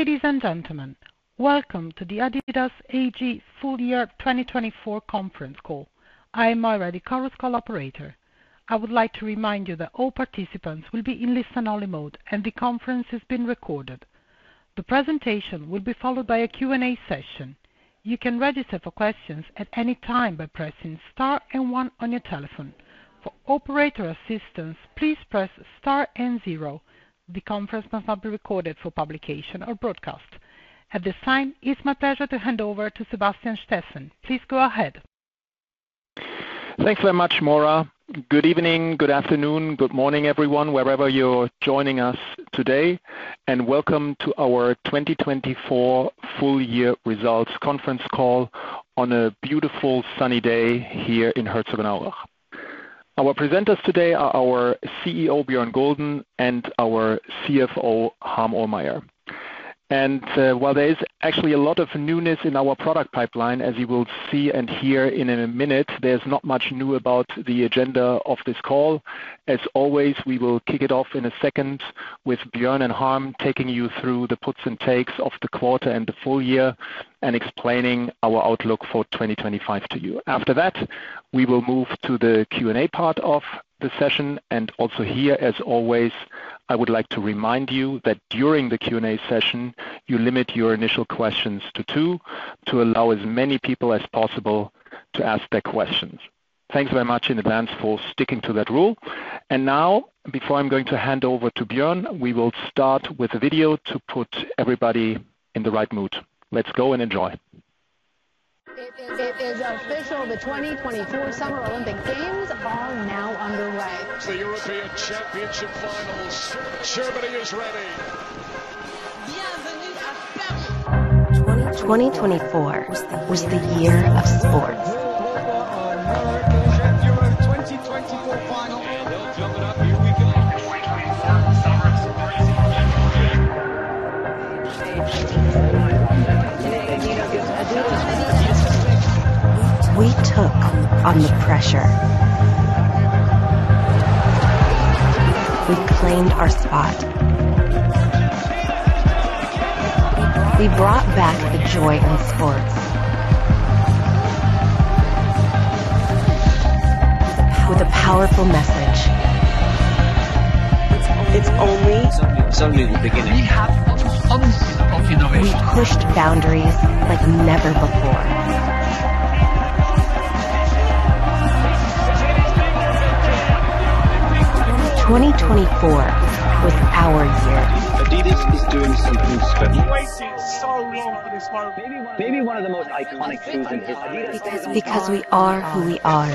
Ladies and gentlemen, welcome to the Adidas AG Full Year 2024 conference call. I am Maura, the conference call operator. I would like to remind you that all participants will be in listen-only mode and the conference is being recorded. The presentation will be followed by a Q&A session. You can register for questions at any time by pressing star and one on your telephone. For operator assistance, please press star and zero. The conference must not be recorded for publication or broadcast. At this time, it's my pleasure to hand over to Sebastian Steffen. Please go ahead. Thanks very much, Maura. Good evening, good afternoon, good morning everyone, wherever you're joining us today, and welcome to our 2024 Full Year Results conference call on a beautiful sunny day here in Herzogenaurach. Our presenters today are our CEO, Bjørn Gulden, and our CFO, Harm Ohlmeyer. And while there is actually a lot of newness in our product pipeline, as you will see and hear in a minute, there's not much new about the agenda of this call. As always, we will kick it off in a second with Bjørn and Harm taking you through the puts and takes of the quarter and the full year and explaining our outlook for 2025 to you. After that, we will move to the Q&A part of the session. Also here, as always, I would like to remind you that during the Q&A session, you limit your initial questions to two to allow as many people as possible to ask their questions. Thanks very much in advance for sticking to that rule. Now, before I'm going to hand over to Bjørn, we will start with a video to put everybody in the right mood. Let's go and enjoy. It is official. The 2024 Summer Olympic Games are now underway. To the European Championship Finals. Germany is ready. 2024 was the year of sports. We took on the pressure. We claimed our spot. We brought back the joy in sports with a powerful message. We pushed boundaries like never before. 2024 was our year. Adidas is doing something special. Maybe one of the most iconic shoes in history. Because we are who we are,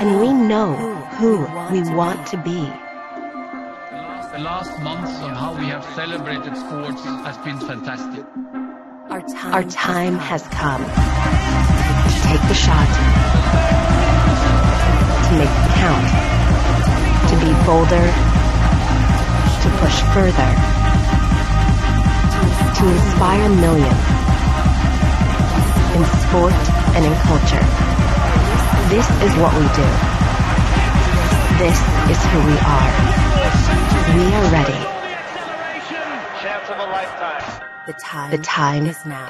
and we know who we want to be. The last months on how we have celebrated sports has been fantastic. Our time has come to take the shot, to make the count, to be bolder, to push further, to inspire millions in sport and in culture. This is what we do. This is who we are. We are ready. The time is now.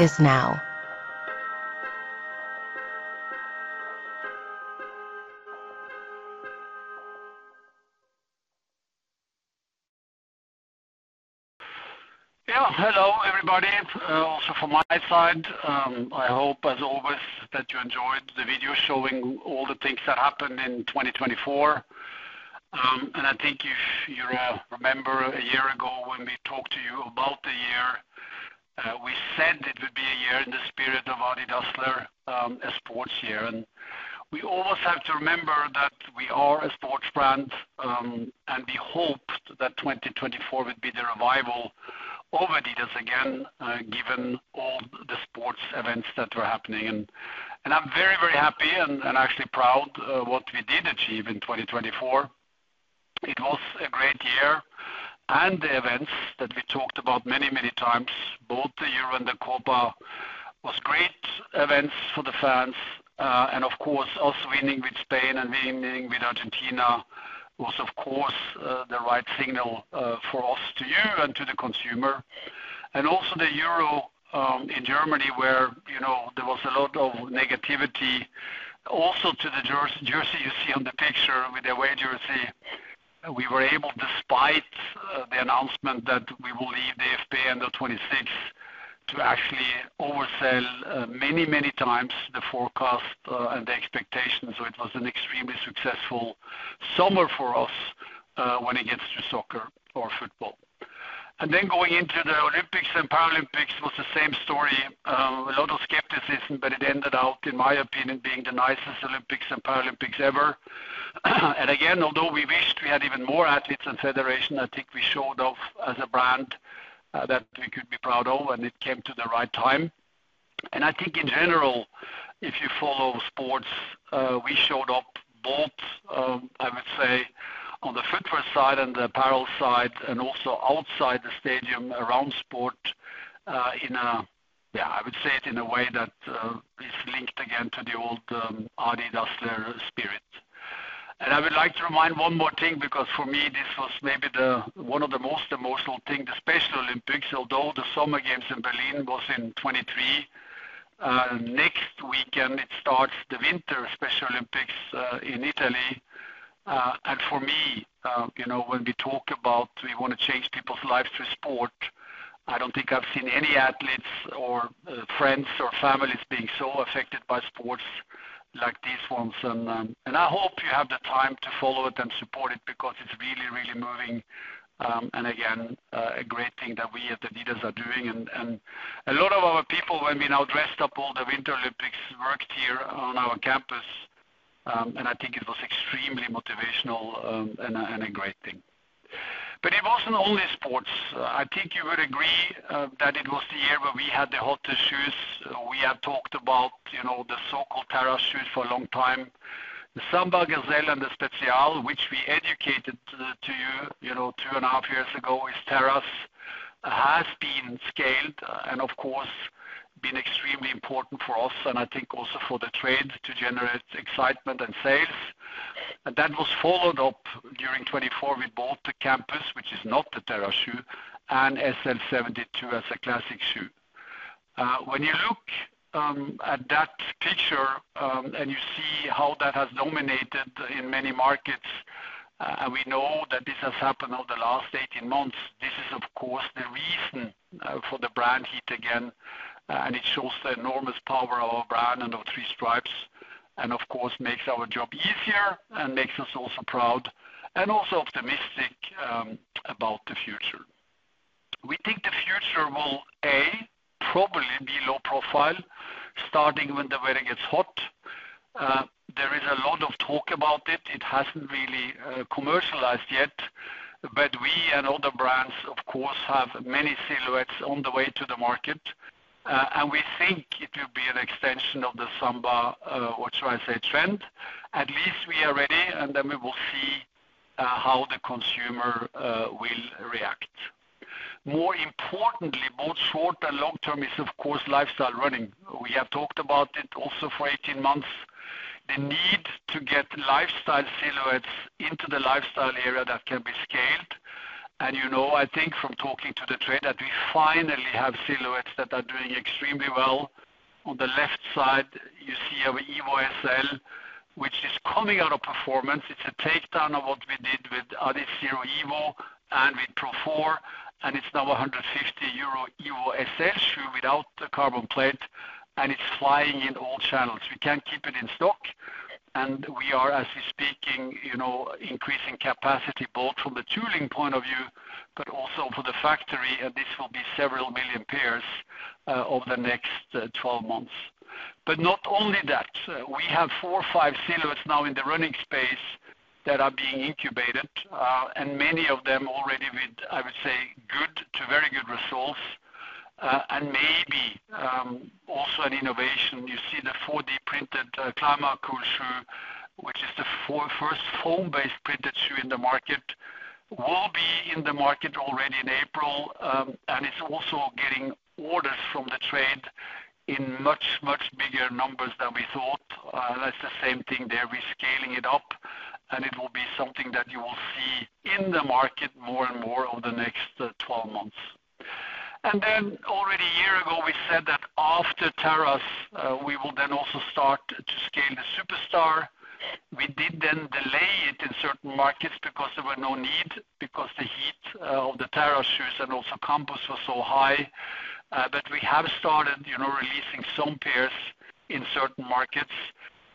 Yeah, hello everybody. Also from my side, I hope as always that you enjoyed the video showing all the things that happened in 2024, and I think if you remember a year ago when we talked to you about the year, we said it would be a year in the spirit of Adidas as sports year, and we always have to remember that we are a sports brand and we hoped that 2024 would be the revival of Adidas again, given all the sports events that were happening, and I'm very, very happy and actually proud of what we did achieve in 2024. It was a great year and the events that we talked about many, many times, both the Euro and the Copa, was great events for the fans. Of course, us winning with Spain and winning with Argentina was, of course, the right signal for us to you and to the consumer. The Euro in Germany, where there was a lot of negativity. To the jersey you see on the picture with the away jersey, we were able, despite the announcement that we will leave the DFB the end of 2026, to actually oversell many, many times the forecast and the expectations. It was an extremely successful summer for us when it comes to soccer or football. Going into the Olympics and Paralympics was the same story. A lot of skepticism, but it ended up, in my opinion, being the nicest Olympics and Paralympics ever. And again, although we wished we had even more athletes and federations, I think we showed off as a brand that we could be proud of and it came to the right time. And I think in general, if you follow sports, we showed up both, I would say, on the football side and the apparel side and also outside the stadium around sport in a, yeah, I would say it in a way that is linked again to the old Adidas spirit. And I would like to remind one more thing because for me, this was maybe one of the most emotional things, the Special Olympics, although the Summer Games in Berlin was in 2023. Next weekend, it starts the Winter Special Olympics in Italy. And for me, when we talk about we want to change people's lives through sport, I don't think I've seen any athletes or friends or families being so affected by sports like these ones. And I hope you have the time to follow it and support it because it's really, really moving. And again, a great thing that we at Adidas are doing. And a lot of our people, when we now dressed up all the Winter Olympics, worked here on our campus. And I think it was extremely motivational and a great thing. But it wasn't only sports. I think you would agree that it was the year where we had the hottest shoes. We have talked about the so-called terrace shoes for a long time. The Samba Gazelle and the Spezial, which we introduced to you two and a half years ago, is Terrace, has been scaled and of course been extremely important for us and I think also for the trade to generate excitement and sales. And that was followed up during 2024 with both the Campus, which is not the Terrace shoe, and SL 72 as a classic shoe. When you look at that picture and you see how that has dominated in many markets and we know that this has happened over the last 18 months, this is of course the reason for the brand heat again. And it shows the enormous power of our brand and of three stripes. And of course makes our job easier and makes us also proud and also optimistic about the future. We think the future will, probably be low profile starting when the weather gets hot. There is a lot of talk about it. It hasn't really commercialized yet, but we and other brands, of course, have many silhouettes on the way to the market, and we think it will be an extension of the Samba, what should I say, trend. At least we are ready and then we will see how the consumer will react. More importantly, both short and long term is of course lifestyle running. We have talked about it also for 18 months. The need to get Lifestyle silhouettes into the lifestyle area that can be scaled, and you know I think from talking to the trade that we finally have silhouettes that are doing extremely well. On the left side, you see our Evo SL, which is coming out of performance. It's a takedown of what we did with Adizero Evo and with Pro 4. And it's now a 150 euro Evo SL shoe without the carbon plate. And it's flying in all channels. We can't keep it in stock. And we are, as we're speaking, increasing capacity both from the tooling point of view, but also for the factory. And this will be several million pairs over the next 12 months. But not only that, we have four or five silhouettes now in the running space that are being incubated. And many of them already with, I would say, good to very good results. And maybe also an innovation, you see the 4D printed Climacool shoe, which is the first foam-based printed shoe in the market, will be in the market already in April. And it's also getting orders from the trade in much, much bigger numbers than we thought. That's the same thing there. We're scaling it up. And it will be something that you will see in the market more and more over the next 12 months. And then already a year ago, we said that after Terrace, we will then also start to scale the Superstar. We did then delay it in certain markets because there was no need because the heat of the Terrace shoes and also Campus was so high. But we have started releasing some pairs in certain markets.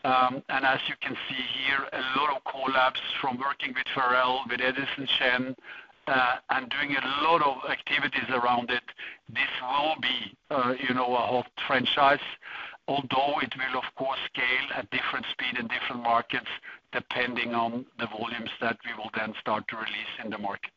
And as you can see here, a lot of collabs from working with Pharrell, with Edison Chen, and doing a lot of activities around it. This will be a hot franchise, although it will of course scale at different speed in different markets depending on the volumes that we will then start to release in the market.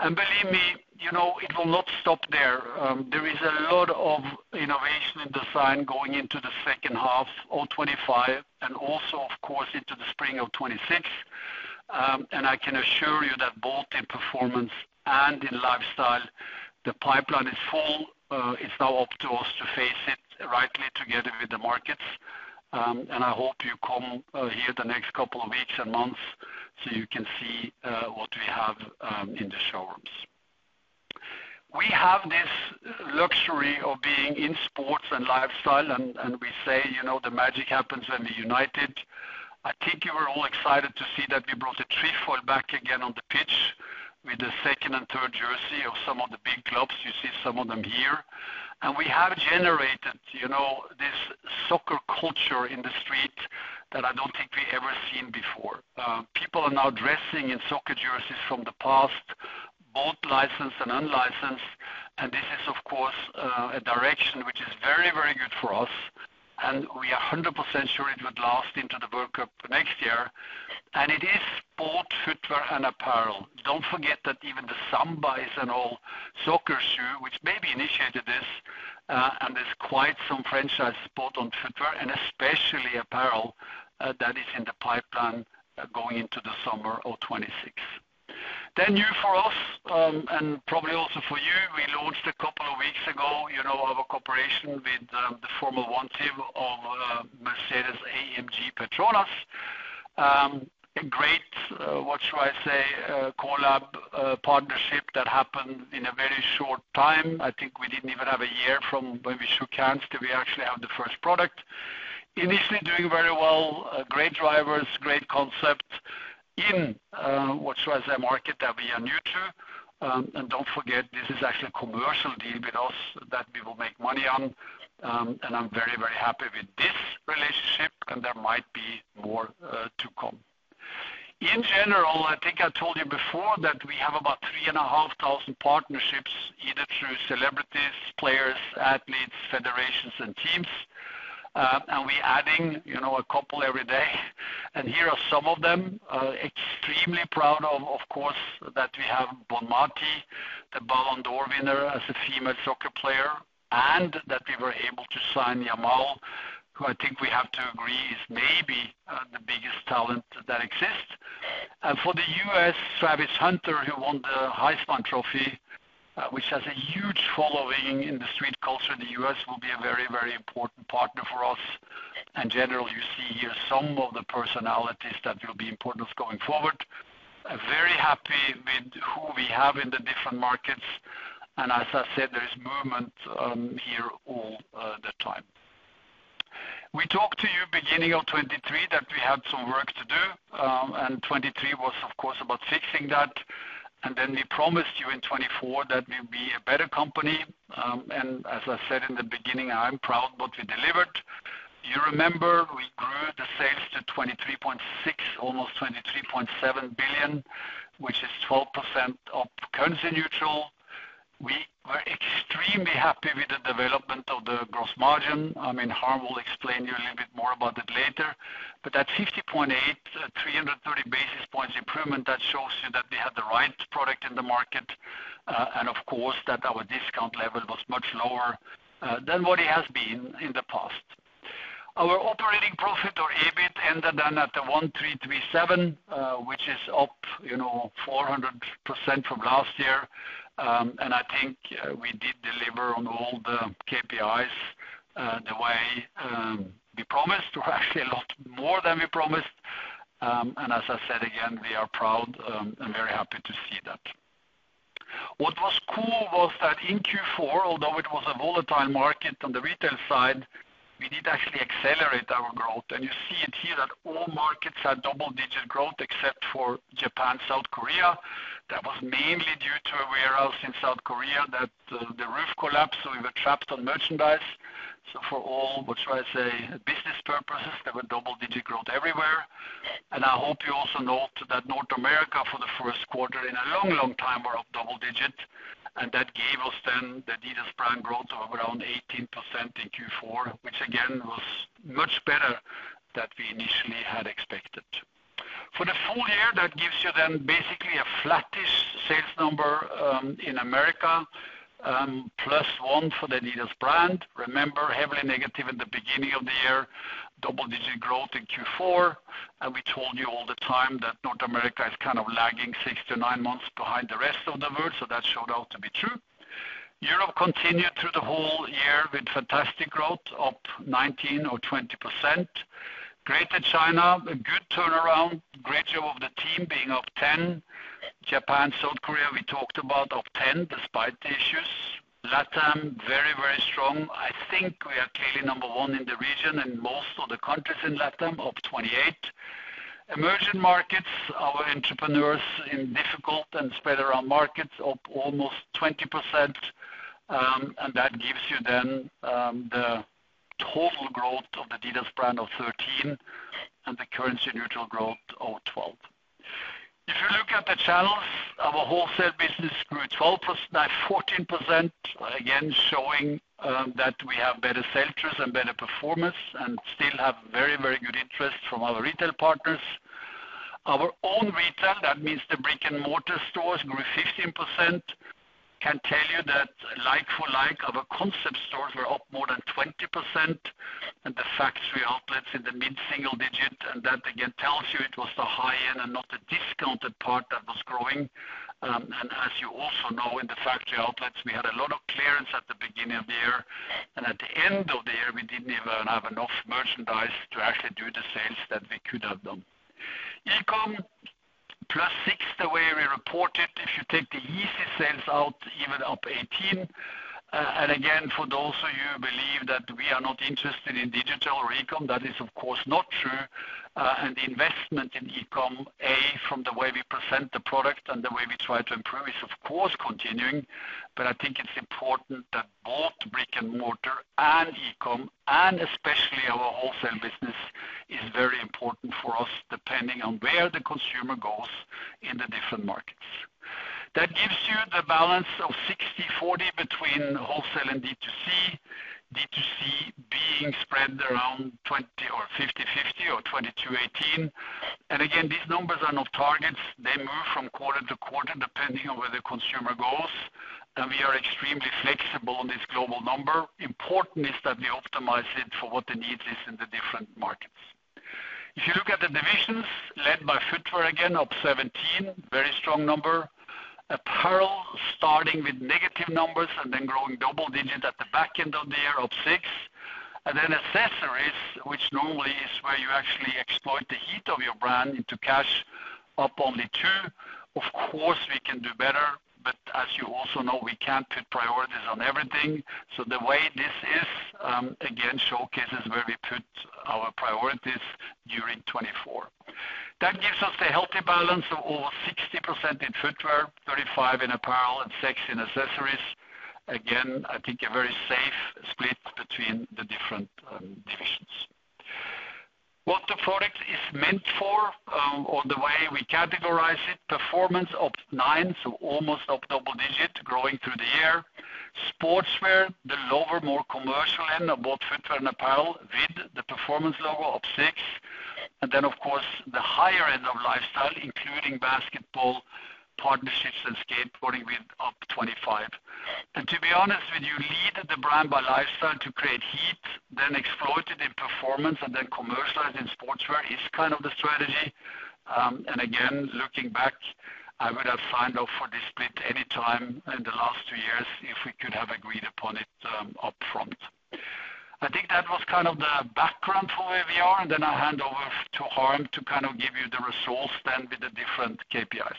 And believe me, you know it will not stop there. There is a lot of innovation in design going into the second half of 2025 and also, of course, into the spring of 2026. And I can assure you that both in performance and in lifestyle, the pipeline is full. It's now up to us to face it rightly together with the markets. And I hope you come here the next couple of weeks and months so you can see what we have in the showrooms. We have this luxury of being in sports and lifestyle. And we say, you know the magic happens when we're united. I think you were all excited to see that we brought the Trefoil back again on the pitch with the second and third jersey of some of the big clubs. You see some of them here. We have generated this soccer culture in the street that I don't think we've ever seen before. People are now dressing in soccer jerseys from the past, both licensed and unlicensed. This is, of course, a direction which is very, very good for us. We are 100% sure it would last into the World Cup next year. It is sport, footwear, and apparel. Don't forget that even the Samba is an all soccer shoe, which maybe initiated this. There's quite some franchise spot on footwear and especially apparel that is in the pipeline going into the summer of 2026. New for us and probably also for you, we launched a couple of weeks ago, you know our cooperation with the Formula One team of Mercedes-AMG Petronas. A great, what should I say, collab partnership that happened in a very short time. I think we didn't even have a year from when we shook hands to we actually have the first product. Initially doing very well, great drivers, great concept in what should I say, market that we are new to, and don't forget, this is actually a commercial deal with us that we will make money on. And I'm very, very happy with this relationship and there might be more to come. In general, I think I told you before that we have about 3,500 partnerships either through celebrities, players, athletes, federations, and teams, and we're adding a couple every day, and here are some of them. Extremely proud of, of course, that we have Bonmatí, the Ballon d'Or winner as a female soccer player, and that we were able to sign Yamal, who I think we have to agree is maybe the biggest talent that exists. And for the US, Travis Hunter, who won the Heisman Trophy, which has a huge following in the street culture in the US, will be a very, very important partner for us. And generally, you see here some of the personalities that will be important going forward. Very happy with who we have in the different markets. And as I said, there is movement here all the time. We talked to you beginning of 2023 that we had some work to do. And 2023 was, of course, about fixing that. And then we promised you in 2024 that we'll be a better company. And as I said in the beginning, I'm proud of what we delivered. You remember we grew the sales to 23.6 billion, almost 23.7 billion, which is 12% of currency neutral. We were extremely happy with the development of the gross margin. I mean, Harm will explain you a little bit more about it later. But at 50.8%, 330 basis points improvement, that shows you that we had the right product in the market. And of course, that our discount level was much lower than what it has been in the past. Our operating profit or EBIT ended then at 1,337, which is up 400% from last year. And I think we did deliver on all the KPIs the way we promised. We're actually a lot more than we promised. And as I said again, we are proud and very happy to see that. What was cool was that in Q4, although it was a volatile market on the retail side, we did actually accelerate our growth. And you see it here that all markets had double-digit growth except for Japan and South Korea. That was mainly due to warehouse in South Korea that the roof collapsed. So we were trapped on merchandise. So for all, what should I say, business purposes, there were double-digit growth everywhere. And I hope you also note that North America for the first quarter in a long, long time were up double-digit. And that gave us then the Adidas brand growth of around 18% in Q4, which again was much better than we initially had expected. For the full year, that gives you then basically a flattish sales number in America, plus one for the Adidas brand. Remember, heavily negative in the beginning of the year, double-digit growth in Q4. And we told you all the time that North America is kind of lagging six to nine months behind the rest of the world. So that showed out to be true. Europe continued through the whole year with fantastic growth of 19 or 20%. Greater China, a good turnaround, great job of the team being up 10%. Japan, South Korea, we talked about up 10% despite the issues. LATAM, very, very strong. I think we are clearly number one in the region and most of the countries in LATAM up 28%. Emerging markets, our entrepreneurs in difficult and spread around markets up almost 20%. And that gives you then the total growth of the Adidas brand of 13% and the currency neutral growth of 12%. If you look at the channels, our wholesale business grew 12%, 14%, again showing that we have better sellers and better performance and still have very, very good interest from our retail partners. Our own retail, that means the brick and mortar stores grew 15%. I can tell you that like-for-like, our concept stores were up more than 20%. The factory outlets in the mid single digit. That again tells you it was the high-end and not the discounted part that was growing. As you also know, in the factory outlets, we had a lot of clearance at the beginning of the year. At the end of the year, we didn't even have enough merchandise to actually do the sales that we could have done. e-comm, plus six the way we reported. If you take the Yeezy sales out, even up 18. Again, for those of you who believe that we are not interested in digital or e-comm, that is of course not true. The investment in e-comm, A, from the way we present the product and the way we try to improve is of course continuing. I think it's important that both brick and mortar and e-comm and especially our wholesale business is very important for us depending on where the consumer goes in the different markets. That gives you the balance of 60%-40% between wholesale and D2C. D2C being spread around 20% or 50%-50% or 22%-18%. And again, these numbers are not targets. They move from quarter to quarter depending on where the consumer goes. And we are extremely flexible on this global number. Important is that we optimize it for what the needs are in the different markets. If you look at the divisions led by footwear again, up 17%, very strong number. Apparel starting with negative numbers and then growing double digit at the back end of the year up six. And then accessories, which normally is where you actually exploit the heat of your brand into cash, up only two. Of course, we can do better, but as you also know, we can't put priorities on everything, so the way this is, again, showcases where we put our priorities during 2024. That gives us the healthy balance of over 60% in footwear, 35% in apparel, and 6% in accessories. Again, I think a very safe split between the different divisions. What the product is meant for or the way we categorize it, performance up nine, so almost up double digit, growing through the year. Sportswear, the lower, more commercial end of both footwear and apparel with the Performance logo up six, and then, of course, the higher end of lifestyle, including basketball, partnerships, and skateboarding with up 25%, and to be honest with you, lead the brand by lifestyle to create heat, then exploit it in performance, and then commercialize in sportswear is kind of the strategy. And again, looking back, I would have signed off for this split any time in the last two years if we could have agreed upon it upfront. I think that was kind of the background for where we are. And then I hand over to Harm to kind of give you the results then with the different KPIs.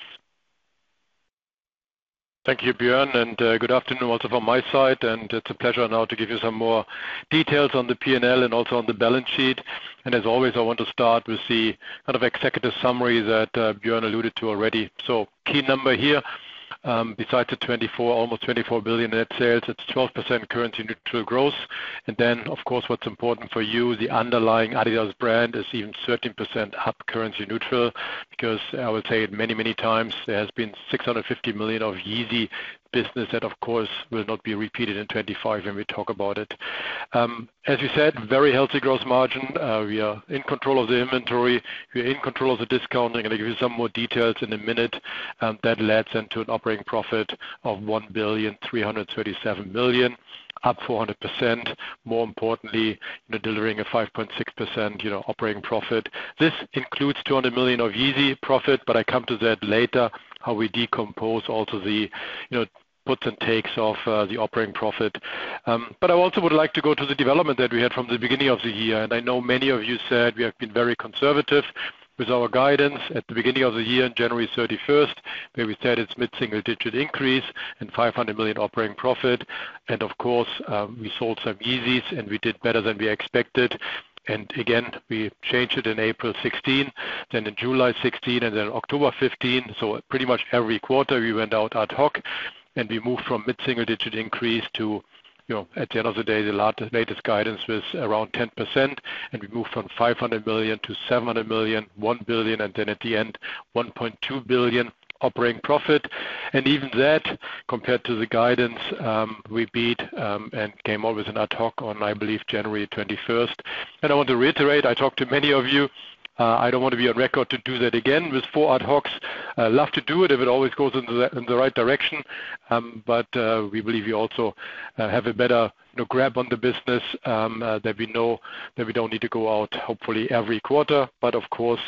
Thank you, Bjørn. And good afternoon also from my side. And it's a pleasure now to give you some more details on the P&L and also on the balance sheet. And as always, I want to start with the kind of executive summary that Bjørn alluded to already. So key number here, besides the 24 billion, almost 24 billion net sales, it's 12% currency neutral growth. And then, of course, what's important for you, the underlying Adidas brand is even 13% up currency neutral because I will say it many, many times, there has been 650 million of Yeezy business that, of course, will not be repeated in 2025 when we talk about it. As we said, very healthy gross margin. We are in control of the inventory. We are in control of the discounting. I'm going to give you some more details in a minute. That led into an operating profit of 1,337 billion, up 400%. More importantly, delivering a 5.6% operating profit. This includes 200 million of Yeezy profit, but I come to that later, how we decompose also the puts and takes of the operating profit. But I also would like to go to the development that we had from the beginning of the year. And I know many of you said we have been very conservative with our guidance at the beginning of the year on January 31st, where we said it's mid-single digit increase and 500 million operating profit. And of course, we sold some Yeezys and we did better than we expected. And again, we changed it in April 16, then in July 16, and then October 15. So pretty much every quarter, we went out ad hoc and we moved from mid-single digit increase to, at the end of the day, the latest guidance was around 10%. And we moved from 500 million to 700 million, 1 billion, and then at the end, 1.2 billion operating profit. And even that, compared to the guidance, we beat and came up with an ad hoc on, I believe, January 21st. And I want to reiterate, I talked to many of you. I don't want to be on record to do that again with four ad hocs. I'd love to do it if it always goes in the right direction, but we believe you also have a better grip on the business that we know that we don't need to go out hopefully every quarter, but of course,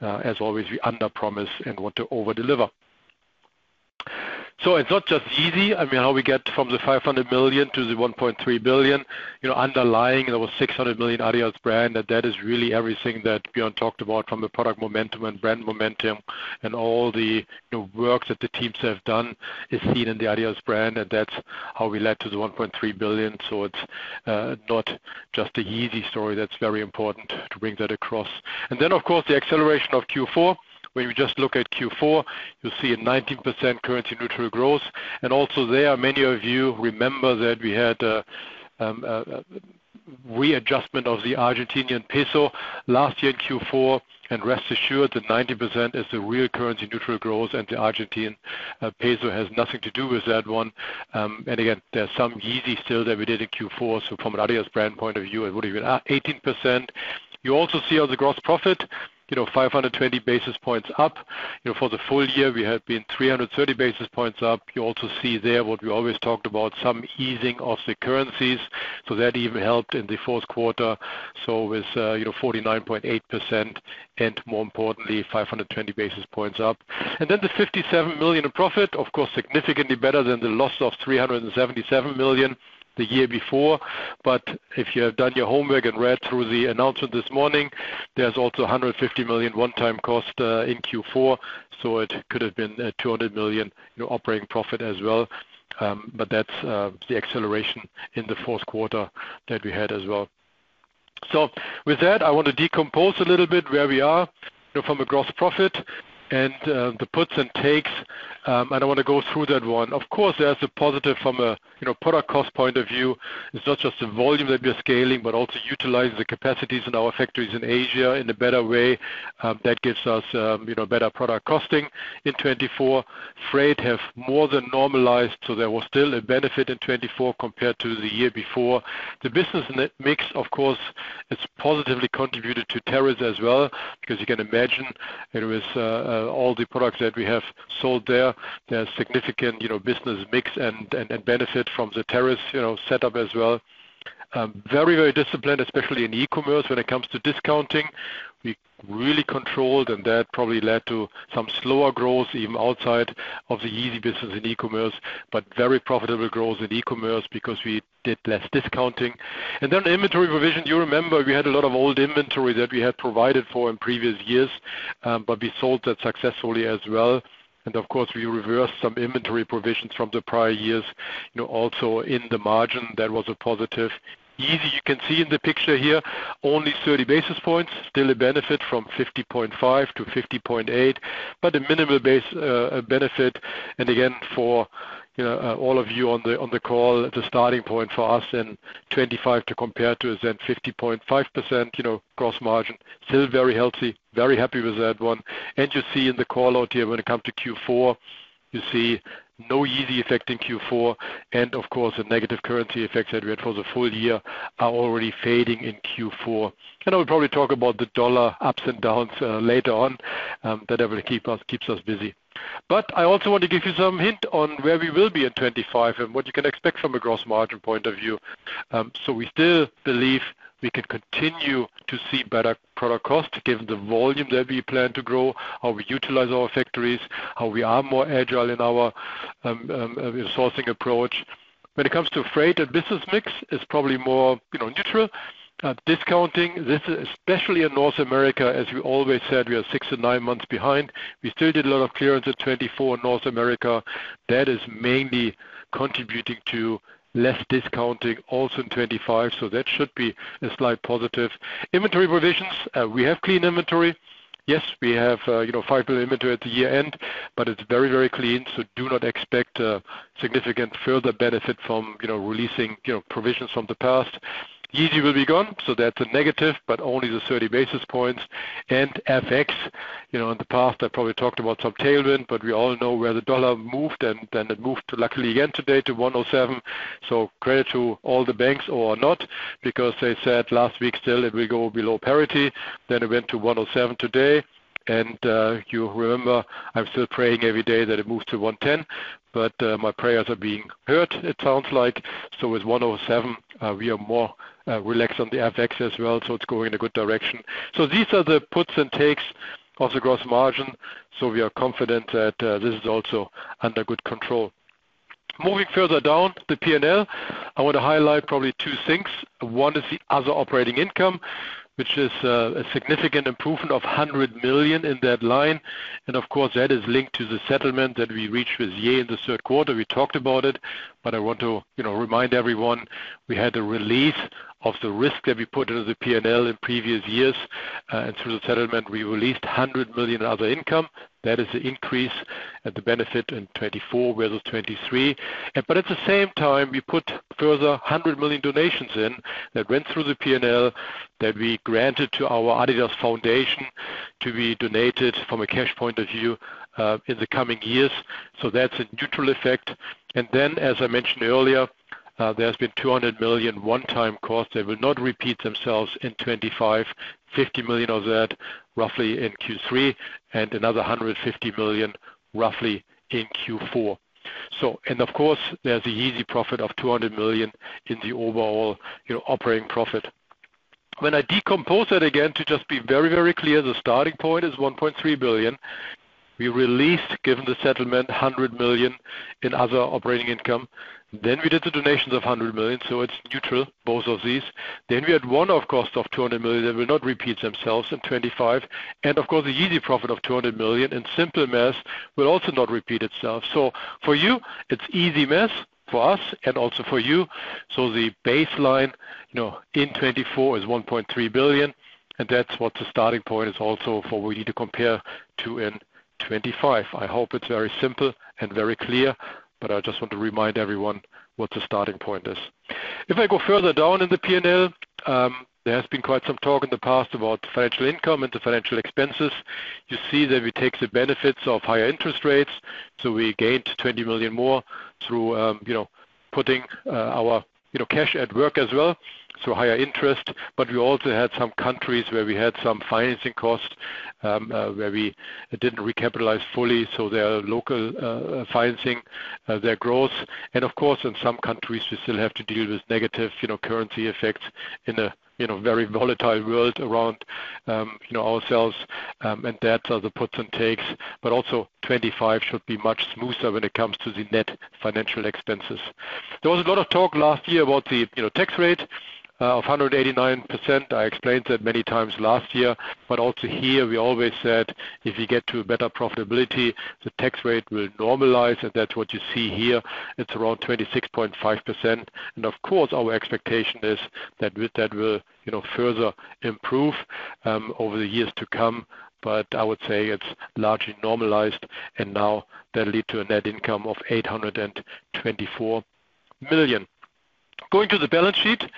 as always, we underpromise and want to overdeliver, so it's not just easy. I mean, how we get from the 500 million to the 1.3 billion, underlying there was 600 million Adidas brand, and that is really everything that Björn talked about from the product momentum and brand momentum and all the work that the teams have done is seen in the Adidas brand, and that's how we led to the 1.3 billion, so it's not just the Yeezy story. That's very important to bring that across. And then, of course, the acceleration of Q4. When we just look at Q4, you'll see a 19% currency neutral growth. And also there, many of you remember that we had a readjustment of the Argentinian peso last year in Q4. And rest assured, the 90% is the real currency neutral growth. And the Argentine peso has nothing to do with that one. And again, there's some Yeezy still that we did in Q4. So from an Adidas brand point of view, it would have been 18%. You also see on the gross profit, 520 basis points up. For the full year, we have been 330 basis points up. You also see there what we always talked about, some easing of the currencies. So that even helped in the fourth quarter. So with 49.8% and more importantly, 520 basis points up. Then the 57 million of profit, of course, significantly better than the loss of 377 million the year before. But if you have done your homework and read through the announcement this morning, there's also 150 million one-time cost in Q4. So it could have been 200 million operating profit as well. But that's the acceleration in the fourth quarter that we had as well. So with that, I want to decompose a little bit where we are from the gross profit and the puts and takes. I don't want to go through that one. Of course, there's a positive from a product cost point of view. It's not just the volume that we're scaling, but also utilizing the capacities in our factories in Asia in a better way. That gives us better product costing in 2024. Freight has more than normalized. So there was still a benefit in 2024 compared to the year before. The business mix, of course, has positively contributed to tariffs as well. Because you can imagine, with all the products that we have sold there, there's significant business mix and benefit from the tariffs setup as well. Very, very disciplined, especially in e-commerce when it comes to discounting. We really controlled, and that probably led to some slower growth even outside of the Yeezy business in e-commerce, but very profitable growth in e-commerce because we did less discounting. And then inventory provision, you remember we had a lot of old inventory that we had provided for in previous years, but we sold that successfully as well. And of course, we reversed some inventory provisions from the prior years. Also in the margin, that was a positive. As you can see in the picture here, only 30 basis points, still a benefit from 50.5% to 50.8%, but a minimal benefit. And again, for all of you on the call, the starting point for us in 2025 to compare to is then 50.5% gross margin. Still very healthy, very happy with that one. And you see in the call out here when it comes to Q4, you see no Yeezy effect in Q4. And of course, the negative currency effects that we had for the full year are already fading in Q4. And I will probably talk about the dollar ups and downs later on. That keeps us busy. But I also want to give you some hint on where we will be in 2025 and what you can expect from a gross margin point of view. So we still believe we can continue to see better product cost given the volume that we plan to grow, how we utilize our factories, how we are more agile in our sourcing approach. When it comes to freight and business mix, it's probably more neutral. Discounting, this is especially in North America, as we always said, we are six to nine months behind. We still did a lot of clearance in 2024 in North America. That is mainly contributing to less discounting also in 2025. So that should be a slight positive. Inventory provisions, we have clean inventory. Yes, we have 5 billion inventory at the year end, but it's very, very clean. So do not expect significant further benefit from releasing provisions from the past. Yeezy will be gone. So that's a negative, but only the 30 basis points. FX, in the past, I probably talked about some tailwind, but we all know where the dollar moved. Then it moved to, luckily again today, to 107. Credit to all the banks or not, because they said last week still it will go below parity. Then it went to 107 today. You remember, I'm still praying every day that it moves to 110, but my prayers are being heard, it sounds like. With 107, we are more relaxed on the FX as well. It's going in a good direction. These are the puts and takes of the gross margin. We are confident that this is also under good control. Moving further down the P&L, I want to highlight probably two things. One is the other operating income, which is a significant improvement of 100 million in that line. Of course, that is linked to the settlement that we reached with Yeezy in the third quarter. We talked about it, but I want to remind everyone, we had a release of the risk that we put into the P&L in previous years. In terms of settlement, we released 100 million in other income. That is the increase and the benefit in 2024 versus 2023. But at the same time, we put further 100 million donations in that went through the P&L that we granted to our Adidas Foundation to be donated from a cash point of view in the coming years. So that's a neutral effect. And then, as I mentioned earlier, there has been 200 million one-time cost that will not repeat themselves in 2025, roughly 50 million of that in Q3, and another roughly 150 million in Q4. Of course, there's a Yeezy profit of 200 million in the overall operating profit. When I decompose that again, to just be very, very clear, the starting point is 1.3 billion. We released, given the settlement, 100 million in other operating income. We did the donations of 100 million. It's neutral, both of these. We had one-off cost of 200 million that will not repeat themselves in 2025. Of course, the Yeezy profit of 200 million in simple math will also not repeat itself. For you, it's easy math for us and also for you. The baseline in 2024 is 1.3 billion. That's what the starting point is also for what we need to compare to in 2025. I hope it's very simple and very clear, but I just want to remind everyone what the starting point is. If I go further down in the P&L, there has been quite some talk in the past about financial income and the financial expenses. You see that we take the benefits of higher interest rates. So we gained 20 million more through putting our cash at work as well. So higher interest. But we also had some countries where we had some financing cost where we didn't recapitalize fully. So their local financing, their growth. And of course, in some countries, we still have to deal with negative currency effects in a very volatile world around ourselves. And that's the puts and takes. But also 2025 should be much smoother when it comes to the net financial expenses. There was a lot of talk last year about the tax rate of 189%. I explained that many times last year. But also here, we always said if we get to better profitability, the tax rate will normalize. And that's what you see here. It's around 26.5%. And of course, our expectation is that that will further improve over the years to come. But I would say it's largely normalized. And now that led to a net income of 824 million. Going to the balance sheet,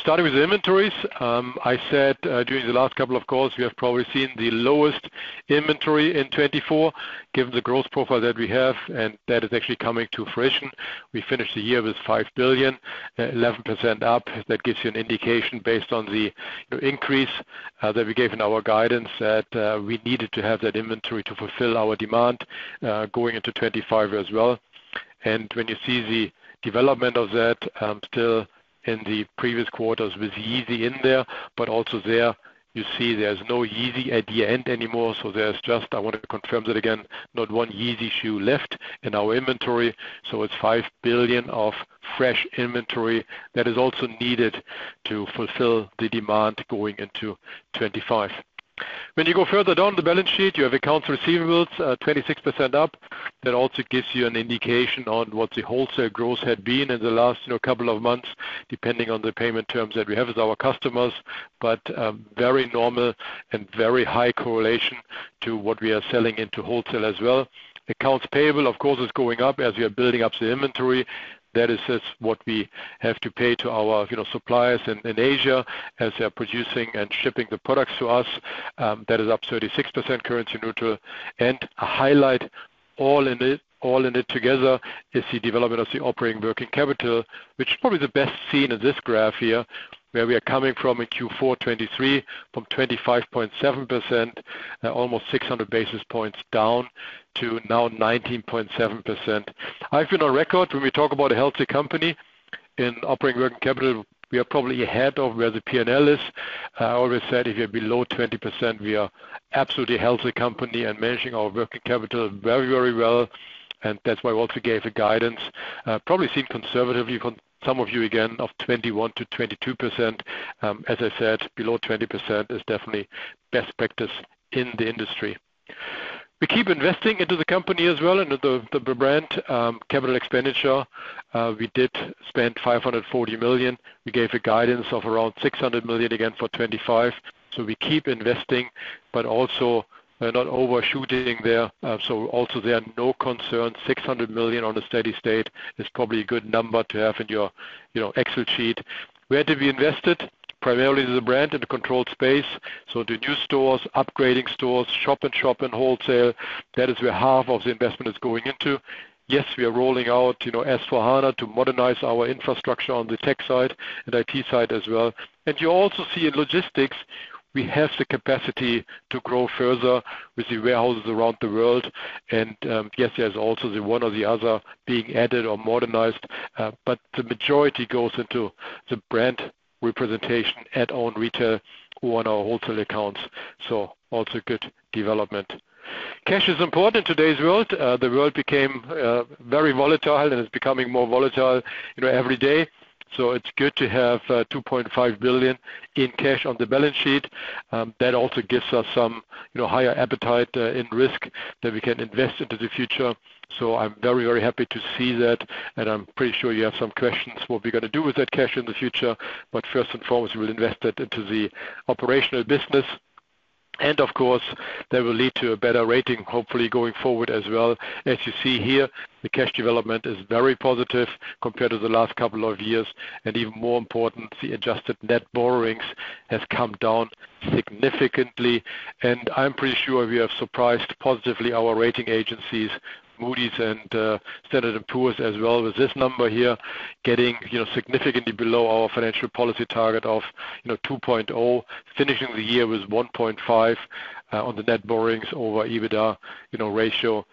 starting with the inventories, I said during the last couple of calls, we have probably seen the lowest inventory in 2024, given the growth profile that we have. And that is actually coming to fruition. We finished the year with €5 billion, 11% up. That gives you an indication based on the increase that we gave in our guidance that we needed to have that inventory to fulfill our demand going into 2025 as well. When you see the development of that, still in the previous quarters with Yeezy in there, but also there, you see there's no Yeezy at the end anymore. So there's just, I want to confirm that again, not one Yeezy shoe left in our inventory. So it's €5 billion of fresh inventory that is also needed to fulfill the demand going into 2025. When you go further down the balance sheet, you have accounts receivables, 26% up. That also gives you an indication on what the wholesale growth had been in the last couple of months, depending on the payment terms that we have as our customers. But very normal and very high correlation to what we are selling into wholesale as well. Accounts payable, of course, is going up as we are building up the inventory. That is what we have to pay to our suppliers in Asia as they are producing and shipping the products to us. That is up 36% currency neutral. And a highlight all in it together is the development of the operating working capital, which is probably the best seen in this graph here, where we are coming from in Q4 2023 from 25.7%, almost 600 basis points down to now 19.7%. I've been on record when we talk about a healthy company in operating working capital, we are probably ahead of where the P&L is. I always said if you're below 20%, we are absolutely a healthy company and managing our working capital very, very well. And that's why I also gave a guidance. Probably seen conservatively from some of you again of 21%-22%. As I said, below 20% is definitely best practice in the industry. We keep investing into the company as well, into the brand capital expenditure. We did spend 540 million. We gave a guidance of around 600 million again for 2025, so we keep investing, but also not overshooting there, so also there are no concerns. 600 million on a steady state is probably a good number to have in your Excel sheet. Where did we invest it? Primarily the brand and the controlled space, so the new stores, upgrading stores, shop-in-shop and wholesale. That is where half of the investment is going into. Yes, we are rolling out S/4HANA to modernize our infrastructure on the tech side and IT side as well, and you also see in logistics, we have the capacity to grow further with the warehouses around the world, and yes, there's also one or the other being added or modernized. But the majority goes into the brand representation at own retail or on our wholesale accounts. So also good development. Cash is important in today's world. The world became very volatile and is becoming more volatile every day. So it's good to have 2.5 billion in cash on the balance sheet. That also gives us some higher appetite in risk that we can invest into the future. So I'm very, very happy to see that. And I'm pretty sure you have some questions what we're going to do with that cash in the future. But first and foremost, we will invest that into the operational business. And of course, that will lead to a better rating, hopefully going forward as well. As you see here, the cash development is very positive compared to the last couple of years. And even more important, the adjusted net borrowings has come down significantly. I'm pretty sure we have surprised positively our rating agencies, Moody's and Standard & Poor's as well with this number here, getting significantly below our financial policy target of 2.0, finishing the year with 1.5 on the net borrowings over EBITDA ratio.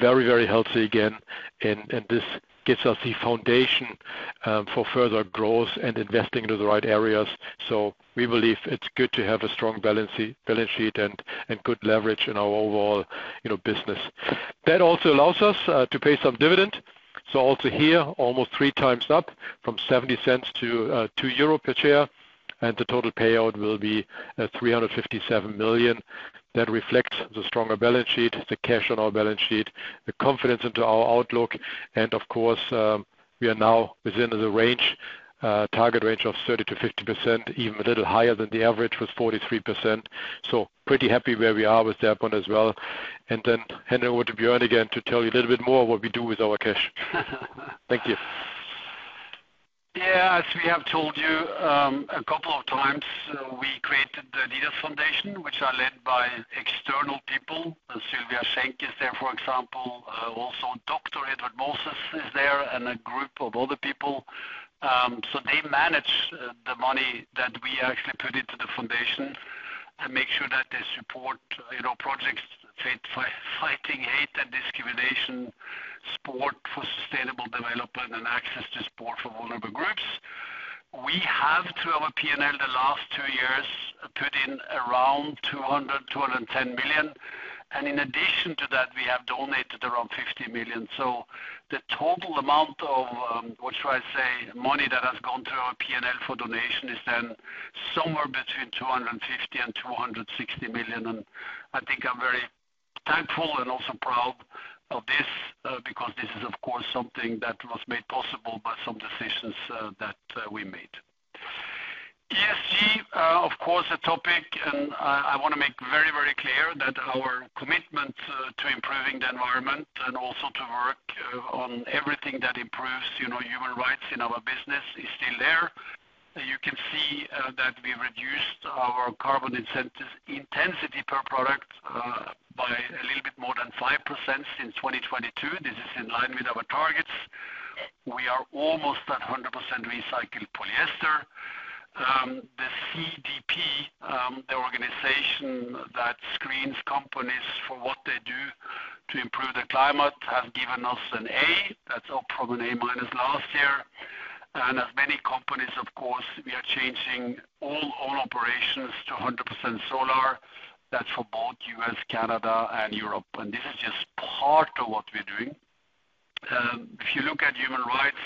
Very, very healthy again. This gives us the foundation for further growth and investing into the right areas. We believe it's good to have a strong balance sheet and good leverage in our overall business. That also allows us to pay some dividend. Also here, almost three times up from 0.70 to 2 euro per share. The total payout will be 357 million. That reflects the stronger balance sheet, the cash on our balance sheet, the confidence into our outlook. And of course, we are now within the target range of 30%-50%, even a little higher than the average with 43%. So pretty happy where we are with that one as well. And then handing over to Bjørn again to tell you a little bit more of what we do with our cash. Thank you. Yeah, as we have told you a couple of times, we created the Adidas Foundation, which is led by external people. Silvia Schenk is there, for example. Also, Dr. Edwin Moses is there and a group of other people. So they manage the money that we actually put into the foundation and make sure that they support projects fighting hate and discrimination, sport for sustainable development, and access to sport for vulnerable groups. We have, through our P&L, the last two years, put in around 200-210 million. In addition to that, we have donated around 50 million. So the total amount of, what should I say, money that has gone through our P&L for donation is then somewhere between 250 and 260 million. I think I'm very thankful and also proud of this because this is, of course, something that was made possible by some decisions that we made. ESG, of course, a topic. I want to make very, very clear that our commitment to improving the environment and also to work on everything that improves human rights in our business is still there. You can see that we reduced our carbon intensity per product by a little bit more than 5% since 2022. This is in line with our targets. We are almost at 100% recycled polyester. The CDP, the organization that screens companies for what they do to improve the climate, has given us an A. That's up from an A minus last year, and as many companies, of course, we are changing all operations to 100% solar. That's for both U.S., Canada, and Europe, and this is just part of what we're doing. If you look at human rights,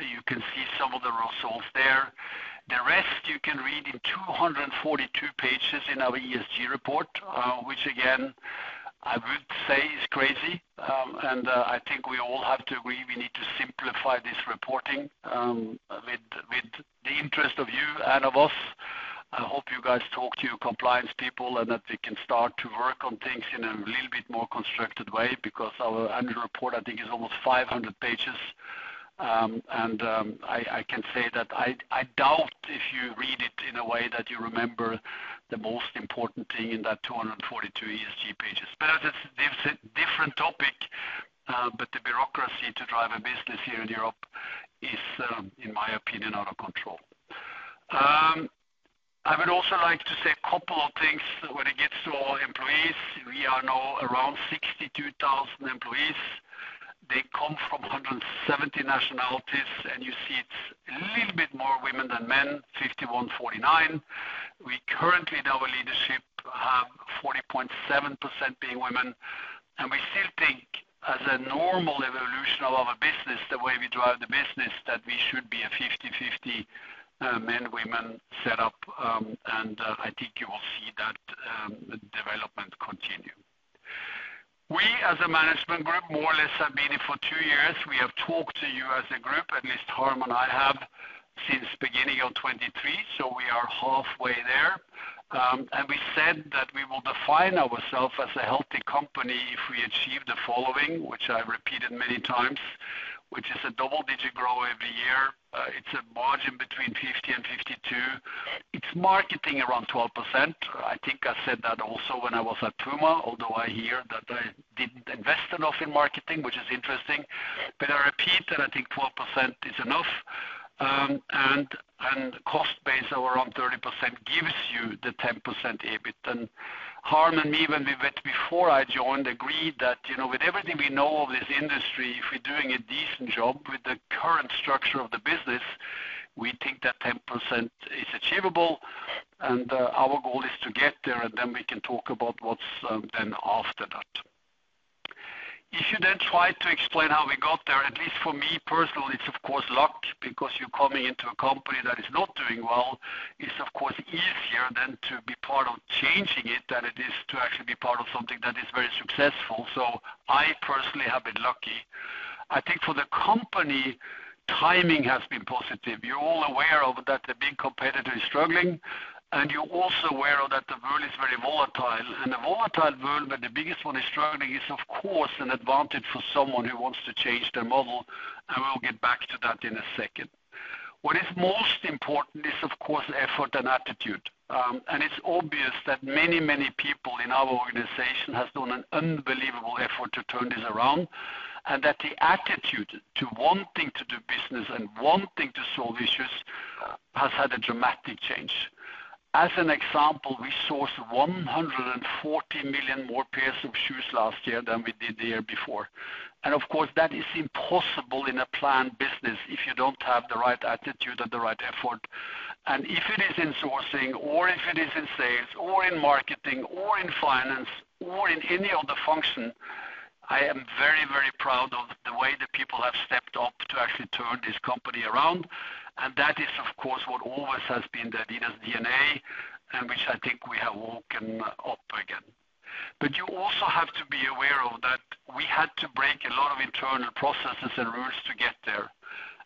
you can see some of the results there. The rest, you can read in 242 pages in our ESG report, which, again, I would say is crazy, and I think we all have to agree we need to simplify this reporting with the interest of you and of us. I hope you guys talk to your compliance people and that we can start to work on things in a little bit more constructed way because our annual report, I think, is almost 500 pages. And I can say that I doubt if you read it in a way that you remember the most important thing in that 242 ESG pages. But it's a different topic, but the bureaucracy to drive a business here in Europe is, in my opinion, out of control. I would also like to say a couple of things when it gets to our employees. We are now around 62,000 employees. They come from 170 nationalities. And you see it's a little bit more women than men, 51%, 49%. We currently, in our leadership, have 40.7% being women. And we still think, as a normal evolution of our business, the way we drive the business, that we should be a 50-50 men-women setup. And I think you will see that development continue. We, as a management group, more or less have been here for two years. We have talked to you as a group, at least Harm and I have, since beginning of 2023. So we are halfway there. And we said that we will define ourselves as a healthy company if we achieve the following, which I've repeated many times, which is a double-digit growth every year. It's a margin between 50%-52%. It's marketing around 12%. I think I said that also when I was at Puma, although I hear that I didn't invest enough in marketing, which is interesting. But I repeat that I think 12% is enough. And cost-based of around 30% gives you the 10% EBITDA. Harm and me, when we met before I joined, agreed that with everything we know of this industry, if we're doing a decent job with the current structure of the business, we think that 10% is achievable. And our goal is to get there. And then we can talk about what's then after that. If you then try to explain how we got there, at least for me personally, it's, of course, luck because you're coming into a company that is not doing well. It's, of course, easier then to be part of changing it than it is to actually be part of something that is very successful. So I personally have been lucky. I think for the company, timing has been positive. You're all aware of that the big competitor is struggling. And you're also aware of that the world is very volatile. And the volatile world, where the biggest one is struggling, is, of course, an advantage for someone who wants to change their model. And we'll get back to that in a second. What is most important is, of course, effort and attitude. And it's obvious that many, many people in our organization have done an unbelievable effort to turn this around. And that the attitude to wanting to do business and wanting to solve issues has had a dramatic change. As an example, we sourced 140 million more pairs of shoes last year than we did the year before. And of course, that is impossible in a planned business if you don't have the right attitude and the right effort. And if it is in sourcing or if it is in sales or in marketing or in finance or in any other function, I am very, very proud of the way that people have stepped up to actually turn this company around. And that is, of course, what always has been the Adidas DNA, which I think we have woken up again. But you also have to be aware of that we had to break a lot of internal processes and rules to get there.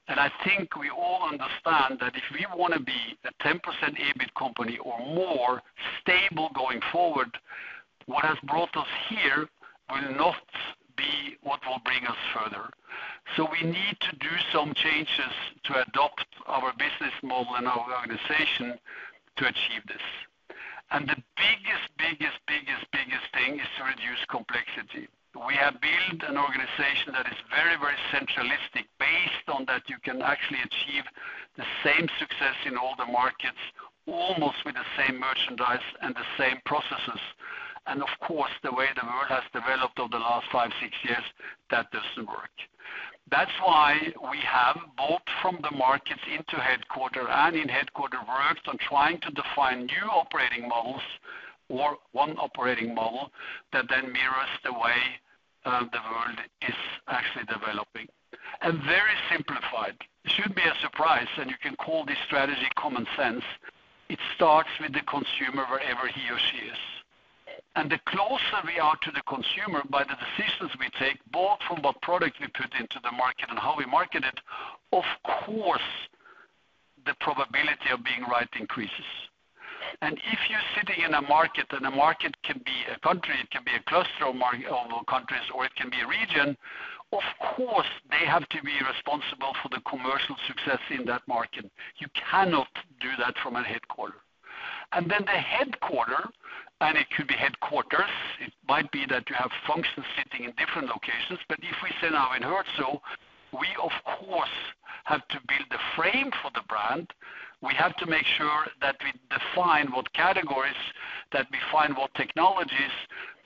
And I think we all understand that if we want to be a 10% EBIT company or more stable going forward, what has brought us here will not be what will bring us further. So we need to do some changes to adopt our business model and our organization to achieve this. And the biggest, biggest, biggest, biggest thing is to reduce complexity. We have built an organization that is very, very centralistic based on that you can actually achieve the same success in all the markets almost with the same merchandise and the same processes. And of course, the way the world has developed over the last five, six years, that doesn't work. That's why we have, both from the markets into headquarters and in headquarters work, been trying to define new operating models or one operating model that then mirrors the way the world is actually developing, and very simplified. It shouldn't be a surprise, and you can call this strategy common sense. It starts with the consumer wherever he or she is, and the closer we are to the consumer by the decisions we take, both from what product we put into the market and how we market it, of course, the probability of being right increases, and if you're sitting in a market and a market can be a country, it can be a cluster of countries, or it can be a region, of course, they have to be responsible for the commercial success in that market. You cannot do that from a headquarters. And then the headquarters, and it could be headquarters. It might be that you have functions sitting in different locations. But if we sit now in Herzogenaurach, we, of course, have to build the frame for the brand. We have to make sure that we define what categories, that we find what technologies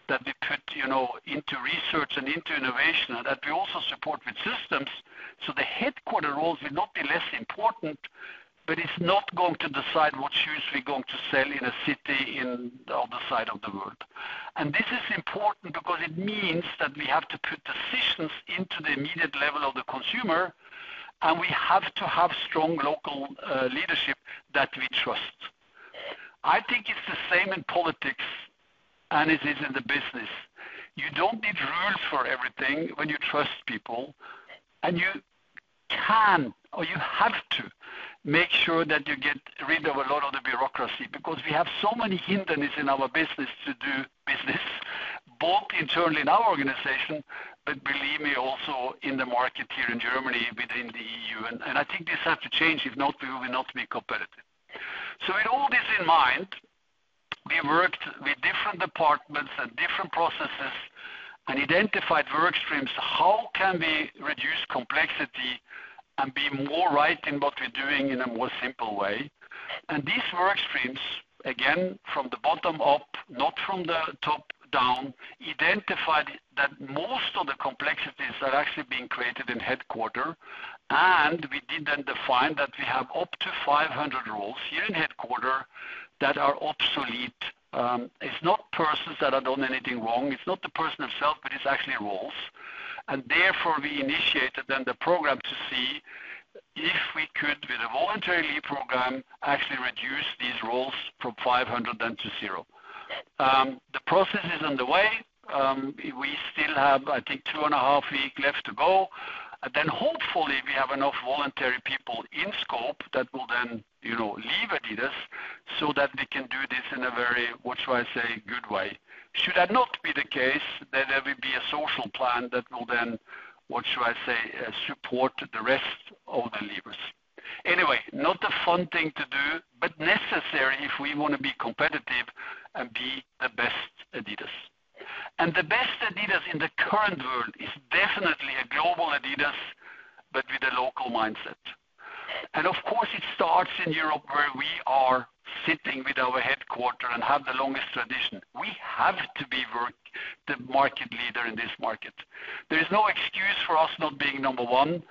that we put into research and into innovation, and that we also support with systems. So the headquarters roles will not be less important, but it's not going to decide what shoes we're going to sell in a city on the other side of the world. And this is important because it means that we have to put decisions into the immediate level of the consumer, and we have to have strong local leadership that we trust. I think it's the same in politics and it is in the business. You don't need rules for everything when you trust people, and you can, or you have to make sure that you get rid of a lot of the bureaucracy because we have so many hindrances in our business to do business, both internally in our organization, but believe me, also in the market here in Germany within the EU, and I think this has to change. If not, we will not be competitive, so with all this in mind, we worked with different departments and different processes and identified work streams. How can we reduce complexity and be more right in what we're doing in a more simple way, and these work streams, again, from the bottom up, not from the top down, identified that most of the complexities are actually being created in headquarters. We did then define that we have up to 500 roles here in headquarters that are obsolete. It's not persons that have done anything wrong. It's not the person himself, but it's actually roles. And therefore, we initiated then the program to see if we could, with a voluntary leave program, actually reduce these roles from 500 then to zero. The process is underway. We still have, I think, two and a half weeks left to go. Then hopefully, we have enough voluntary people in scope that will then leave Adidas so that they can do this in a very, what should I say, good way. Should that not be the case, then there will be a social plan that will then, what should I say, support the rest of the leavers. Anyway, not a fun thing to do, but necessary if we want to be competitive and be the best Adidas. And the best Adidas in the current world is definitely a global Adidas, but with a local mindset. And of course, it starts in Europe where we are sitting with our headquarters and have the longest tradition. We have to be the market leader in this market. There is no excuse for us not being number one.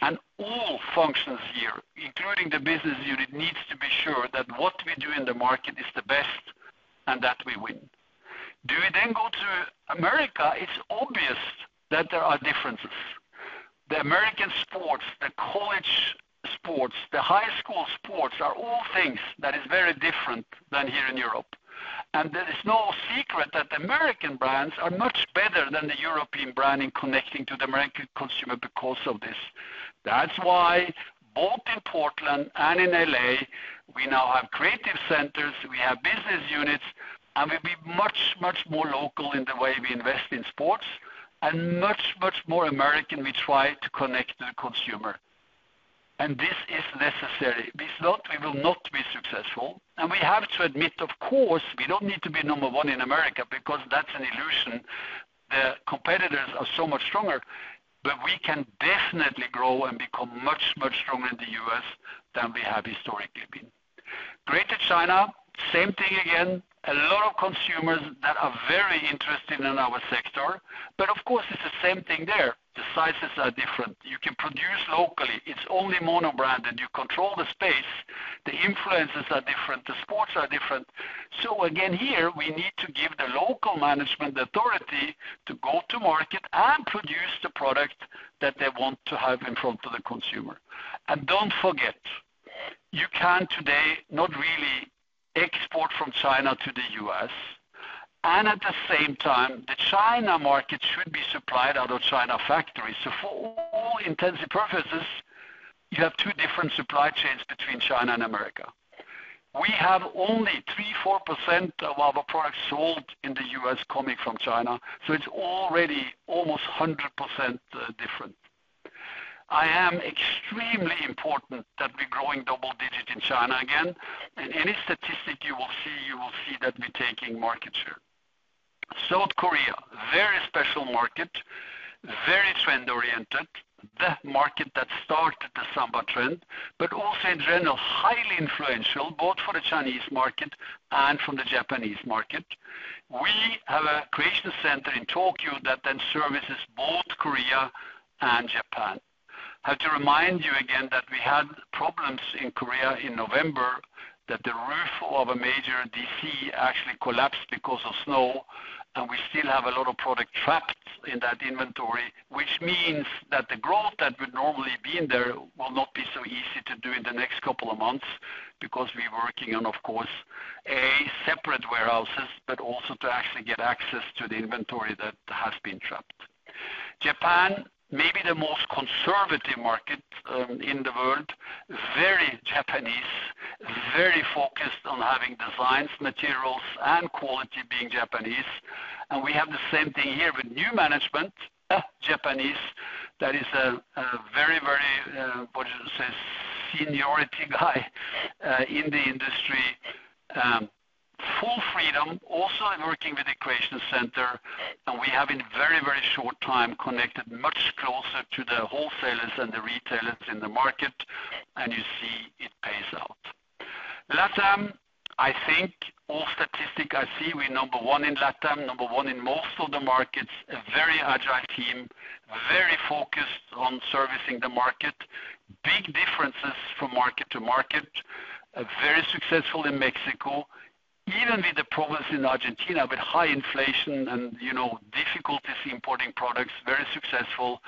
And all functions here, including the business unit, need to be sure that what we do in the market is the best and that we win. Do we then go to America? It's obvious that there are differences. The American sports, the college sports, the high school sports are all things that are very different than here in Europe. And it's no secret that American brands are much better than the European brand in connecting to the American consumer because of this. That's why, both in Portland and in LA, we now have creative centers. We have business units. And we'll be much, much more local in the way we invest in sports and much, much more American we try to connect to the consumer. And this is necessary. Without it, we will not be successful. And we have to admit, of course, we don't need to be number one in America because that's an illusion. The competitors are so much stronger. But we can definitely grow and become much, much stronger in the US than we have historically been. Greater China, same thing again. A lot of consumers that are very interested in our sector. But of course, it's the same thing there. The sizes are different. You can produce locally. It's only mono-branded. You control the space. The influences are different. The sports are different, so again, here, we need to give the local management the authority to go to market and produce the product that they want to have in front of the consumer, and don't forget, you can today not really export from China to the U.S., and, at the same time, the China market should be supplied out of China factories, so for all intents and purposes, you have two different supply chains between China and America. We have only 3-4% of our products sold in the U.S. coming from China. So it's already almost 100% different. I am extremely important that we're growing double-digit in China again, and any statistic you will see, you will see that we're taking market share. South Korea, very special market, very trend-oriented, the market that started the Samba trend, but also in general, highly influential both for the Chinese market and for the Japanese market. We have a creation center in Tokyo that then services both Korea and Japan. I have to remind you again that we had problems in Korea in November, that the roof of a major DC actually collapsed because of snow, and we still have a lot of product trapped in that inventory, which means that the growth that would normally be in there will not be so easy to do in the next couple of months because we're working on, of course, separate warehouses, but also to actually get access to the inventory that has been trapped. Japan, maybe the most conservative market in the world, very Japanese, very focused on having designs, materials, and quality being Japanese. And we have the same thing here with new management, Japanese. That is a very, very, what do you say, seniority guy in the industry. Full freedom, also working with the creation center. And we have, in a very, very short time, connected much closer to the wholesalers and the retailers in the market. And you see it pays out. LATAM, I think all statistics I see, we're number one in LATAM, number one in most of the markets, a very agile team, very focused on servicing the market, big differences from market to market, very successful in Mexico, even with the problems in Argentina with high inflation and difficulties importing products, very successful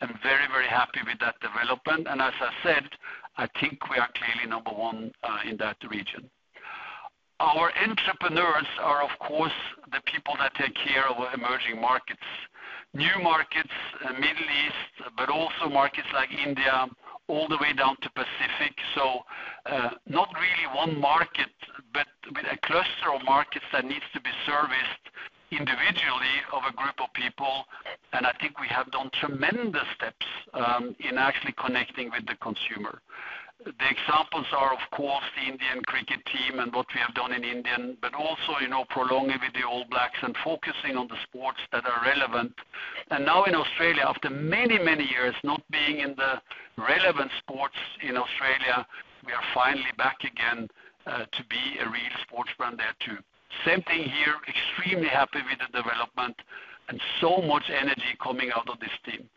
and very, very happy with that development. And as I said, I think we are clearly number one in that region. Our entrepreneurs are, of course, the people that take care of emerging markets, new markets, Middle East, but also markets like India, all the way down to Pacific, so not really one market, but with a cluster of markets that needs to be serviced individually by a group of people, and I think we have done tremendous steps in actually connecting with the consumer. The examples are, of course, the Indian cricket team and what we have done in India, but also prolonging with the All Blacks and focusing on the sports that are relevant, and now in Australia, after many, many years not being in the relevant sports in Australia, we are finally back again to be a real sports brand there too. Same thing here, extremely happy with the development and so much energy coming out of this team.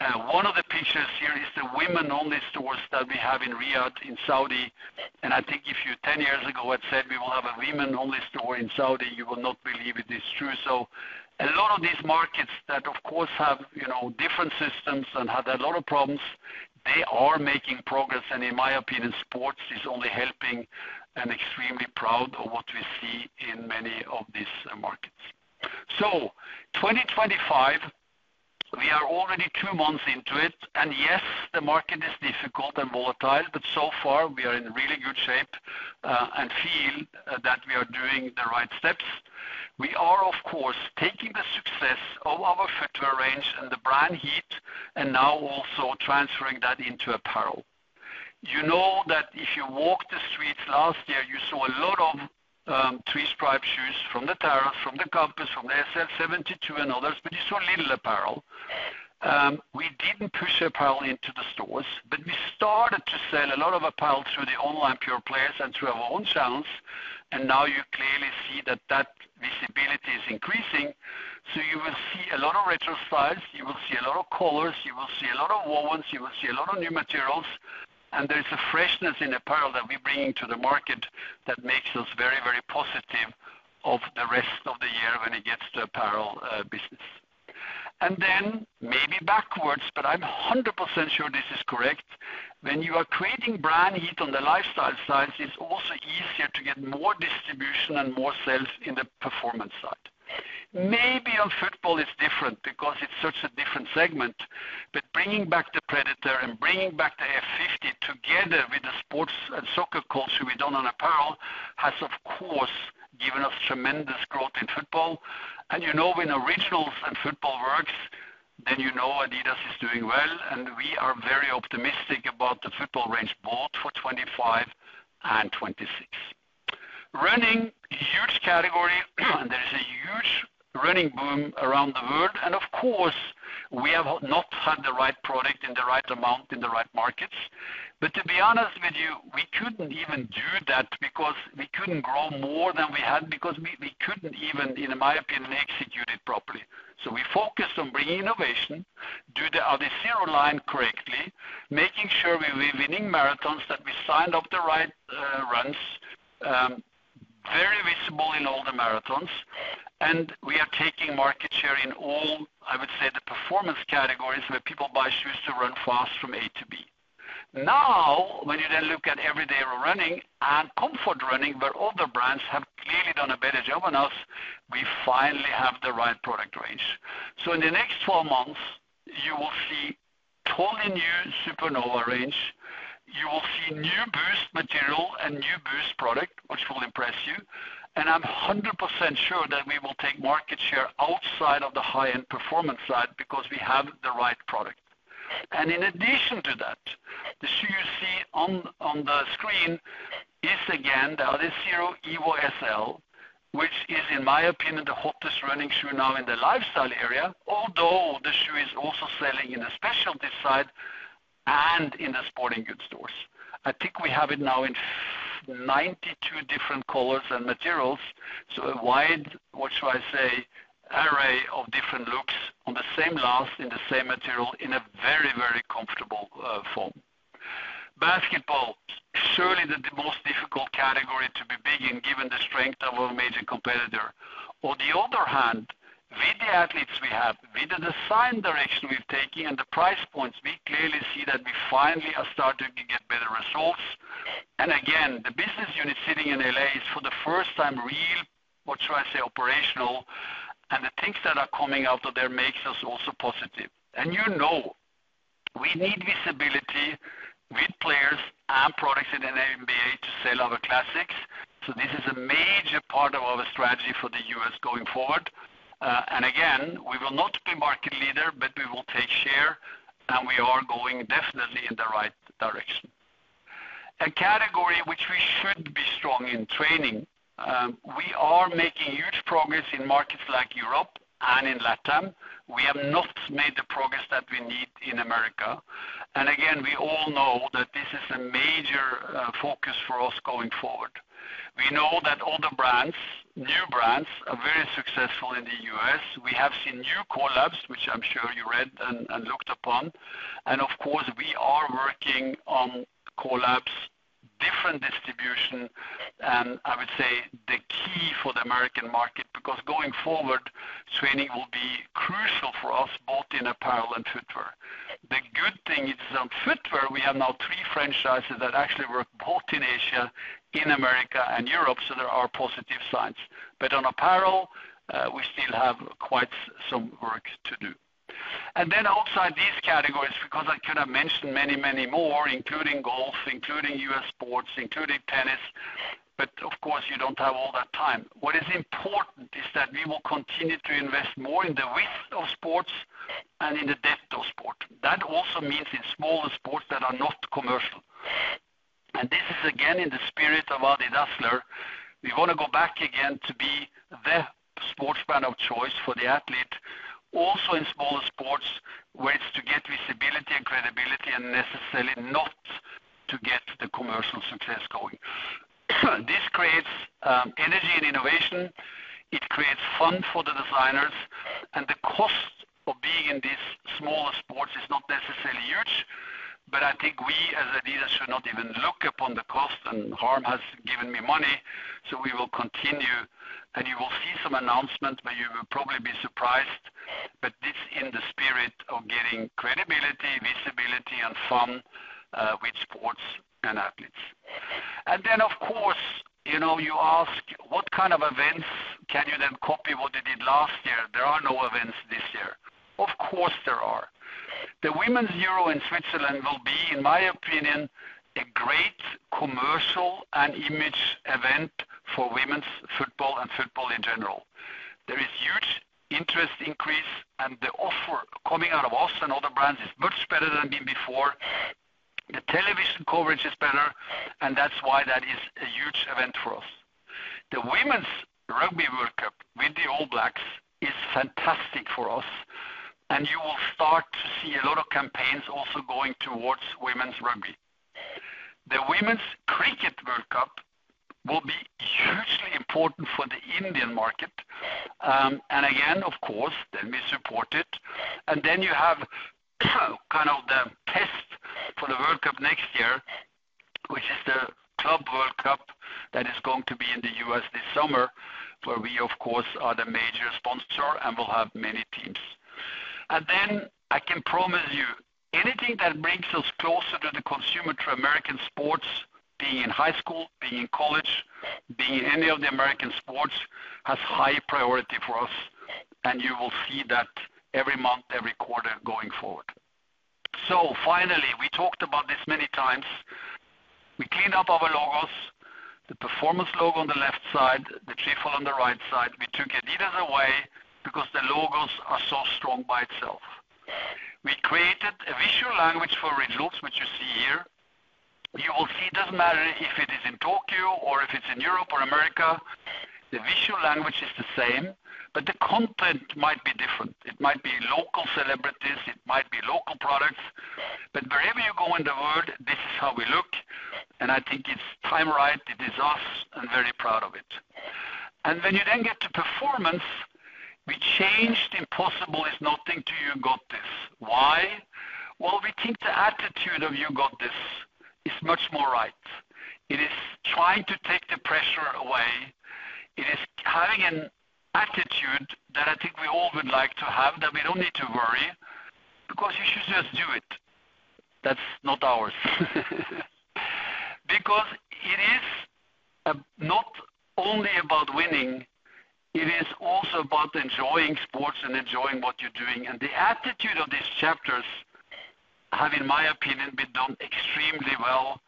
One of the pictures here is the women-only stores that we have in Riyadh, in Saudi. And I think if you 10 years ago had said we will have a women-only store in Saudi, you will not believe it is true. So a lot of these markets that, of course, have different systems and had a lot of problems, they are making progress. And in my opinion, sports is only helping and extremely proud of what we see in many of these markets. So 2025, we are already two months into it. And yes, the market is difficult and volatile, but so far, we are in really good shape and feel that we are doing the right steps. We are, of course, taking the success of our footwear range and the brand heat and now also transferring that into apparel. You know that if you walked the streets last year, you saw a lot of three-stripe shoes from the Terrace, from the Campus, from the SL 72 and others, but you saw little apparel. We didn't push apparel into the stores, but we started to sell a lot of apparel through the online pure players and through our own channels. And now you clearly see that that visibility is increasing. So you will see a lot of retro styles. You will see a lot of colors. You will see a lot of wovens. You will see a lot of new materials. And there is a freshness in apparel that we bring into the market that makes us very, very positive of the rest of the year when it gets to apparel business. And then maybe backwards, but I'm 100% sure this is correct. When you are creating brand heat on the lifestyle side, it's also easier to get more distribution and more sales in the performance side. Maybe on football, it's different because it's such a different segment. But bringing back the Predator and bringing back the F50 together with the sports and soccer culture we've done on apparel has, of course, given us tremendous growth in football. And you know when Originals and football works, then you know Adidas is doing well. And we are very optimistic about the football range both for 2025 and 2026. Running, huge category. There is a huge running boom around the world. And of course, we have not had the right product in the right amount in the right markets. But to be honest with you, we couldn't even do that because we couldn't grow more than we had because we couldn't even, in my opinion, execute it properly. So we focused on bringing innovation, do the Adizero line correctly, making sure we were winning marathons, that we signed up the right runs, very visible in all the marathons. And we are taking market share in all, I would say, the performance categories where people buy shoes to run fast from A to B. Now, when you then look at everyday running and comfort running, where other brands have clearly done a better job on us, we finally have the right product range. So in the next 12 months, you will see totally new Supernova range. You will see new Boost material and new Boost product, which will impress you. And I'm 100% sure that we will take market share outside of the high-end performance side because we have the right product. And in addition to that, the shoe you see on the screen is again the Adizero Evo SL, which is, in my opinion, the hottest running shoe now in the lifestyle area, although the shoe is also selling in the specialty side and in the sporting goods stores. I think we have it now in 92 different colors and materials. So a wide, what should I say, array of different looks on the same last, in the same material, in a very, very comfortable form. Basketball, surely the most difficult category to be big in given the strength of our major competitor. On the other hand, with the athletes we have, with the design direction we've taken and the price points, we clearly see that we finally are starting to get better results, and again, the business unit sitting in LA is for the first time real, what should I say, operational. And the things that are coming out of there make us also positive, and you know we need visibility with players and products in the NBA to sell our classics, so this is a major part of our strategy for the US going forward, and again, we will not be market leader, but we will take share, and we are going definitely in the right direction. A category which we should be strong in training. We are making huge progress in markets like Europe and in LATAM. We have not made the progress that we need in America. And again, we all know that this is a major focus for us going forward. We know that all the brands, new brands, are very successful in the U.S. We have seen new collabs, which I'm sure you read and looked upon. And of course, we are working on collabs, different distribution. And I would say the key for the American market because going forward, training will be crucial for us both in apparel and footwear. The good thing is on footwear, we have now three franchises that actually work both in Asia, in America, and Europe. So there are positive signs. But on apparel, we still have quite some work to do. And then outside these categories, because I could have mentioned many, many more, including golf, including US sports, including tennis, but of course, you don't have all that time. What is important is that we will continue to invest more in the width of sports and in the depth of sport. That also means in smaller sports that are not commercial. And this is again in the spirit of Adidas. We want to go back again to be the sports brand of choice for the athlete, also in smaller sports where it's to get visibility and credibility and necessarily not to get the commercial success going. This creates energy and innovation. It creates fun for the designers. And the cost of being in these smaller sports is not necessarily huge. But I think we as Adidas should not even look upon the cost and Harm has given me money. So we will continue. And you will see some announcements, but you will probably be surprised. It's in the spirit of getting credibility, visibility, and fun with sports and athletes. Then, of course, you ask, what kind of events can you then copy what they did last year? There are no events this year. Of course, there are. The Women's Euro in Switzerland will be, in my opinion, a great commercial and image event for women's football and football in general. There has been a huge increase in interest. The offer coming out of Adidas and other brands is much better than has been before. The television coverage is better. That's why that is a huge event for us. The Women's Rugby World Cup with the All Blacks is fantastic for us. You will start to see a lot of campaigns also going towards women's rugby. The Women's Cricket World Cup will be hugely important for the Indian market. And again, of course, then we support it. And then you have kind of the test for the World Cup next year, which is the Club World Cup that is going to be in the U.S. this summer, where we, of course, are the major sponsor and will have many teams. And then I can promise you, anything that brings us closer to the consumer to American sports, being in high school, being in college, being in any of the American sports, has high priority for us. And you will see that every month, every quarter going forward. So finally, we talked about this many times. We cleaned up our logos, the Performance logo on the left side, the Trefoil on the right side. We took Adidas away because the logos are so strong by itself. We created a visual language for results, which you see here. You will see it doesn't matter if it is in Tokyo or if it's in Europe or America. The visual language is the same, but the content might be different. It might be local celebrities. It might be local products, but wherever you go in the world, this is how we look, and I think it's time, right. It is us and very proud of it, and when you then get to performance, we changed Impossible Is Nothing to You Got This. Why? Well, we think the attitude of you got this is much more right. It is trying to take the pressure away. It is having an attitude that I think we all would like to have that we don't need to worry because you should just do it. That's not ours. Because it is not only about winning. It is also about enjoying sports and enjoying what you're doing. And the attitude of these chapters have, in my opinion, been done extremely well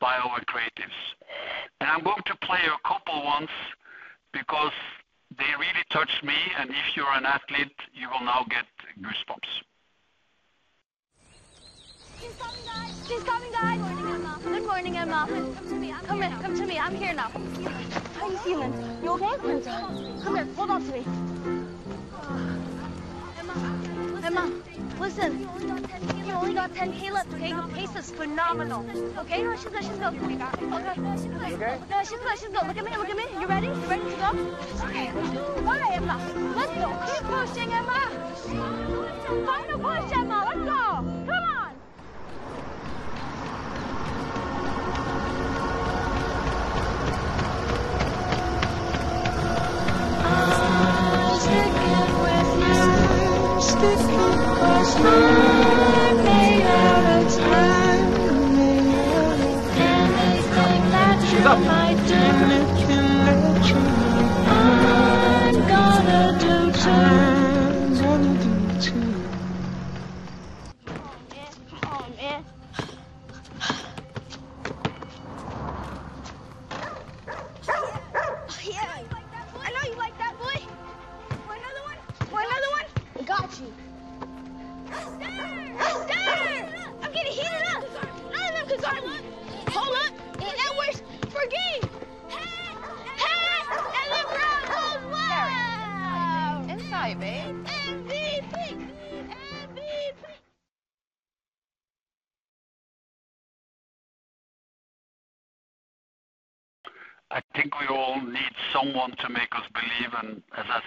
by our creatives. And I'm going to play a couple once because they really touched me. And if you're an athlete, you will now get goosebumps. She's coming, guys. She's coming, guys. Good morning, Emma. Come here. Come to me. I'm here. Come here. Come to me. I'm here now. How are you feeling? You okay? Come here. Hold on to me. Emma, listen. We only got 10 people. We only got 10 Calebs. Okay? The pace is phenomenal. Okay? No, she's good. She's good. Okay? She's good. No, she's good. She's good. Look at me. Look at me. You ready? You ready to go? Okay. Let's go. Bye, Emma. Let's go. Keep pushing, Emma. Final push, Emma. Let's go. Come on. I think we all need someone to make us believe. And as I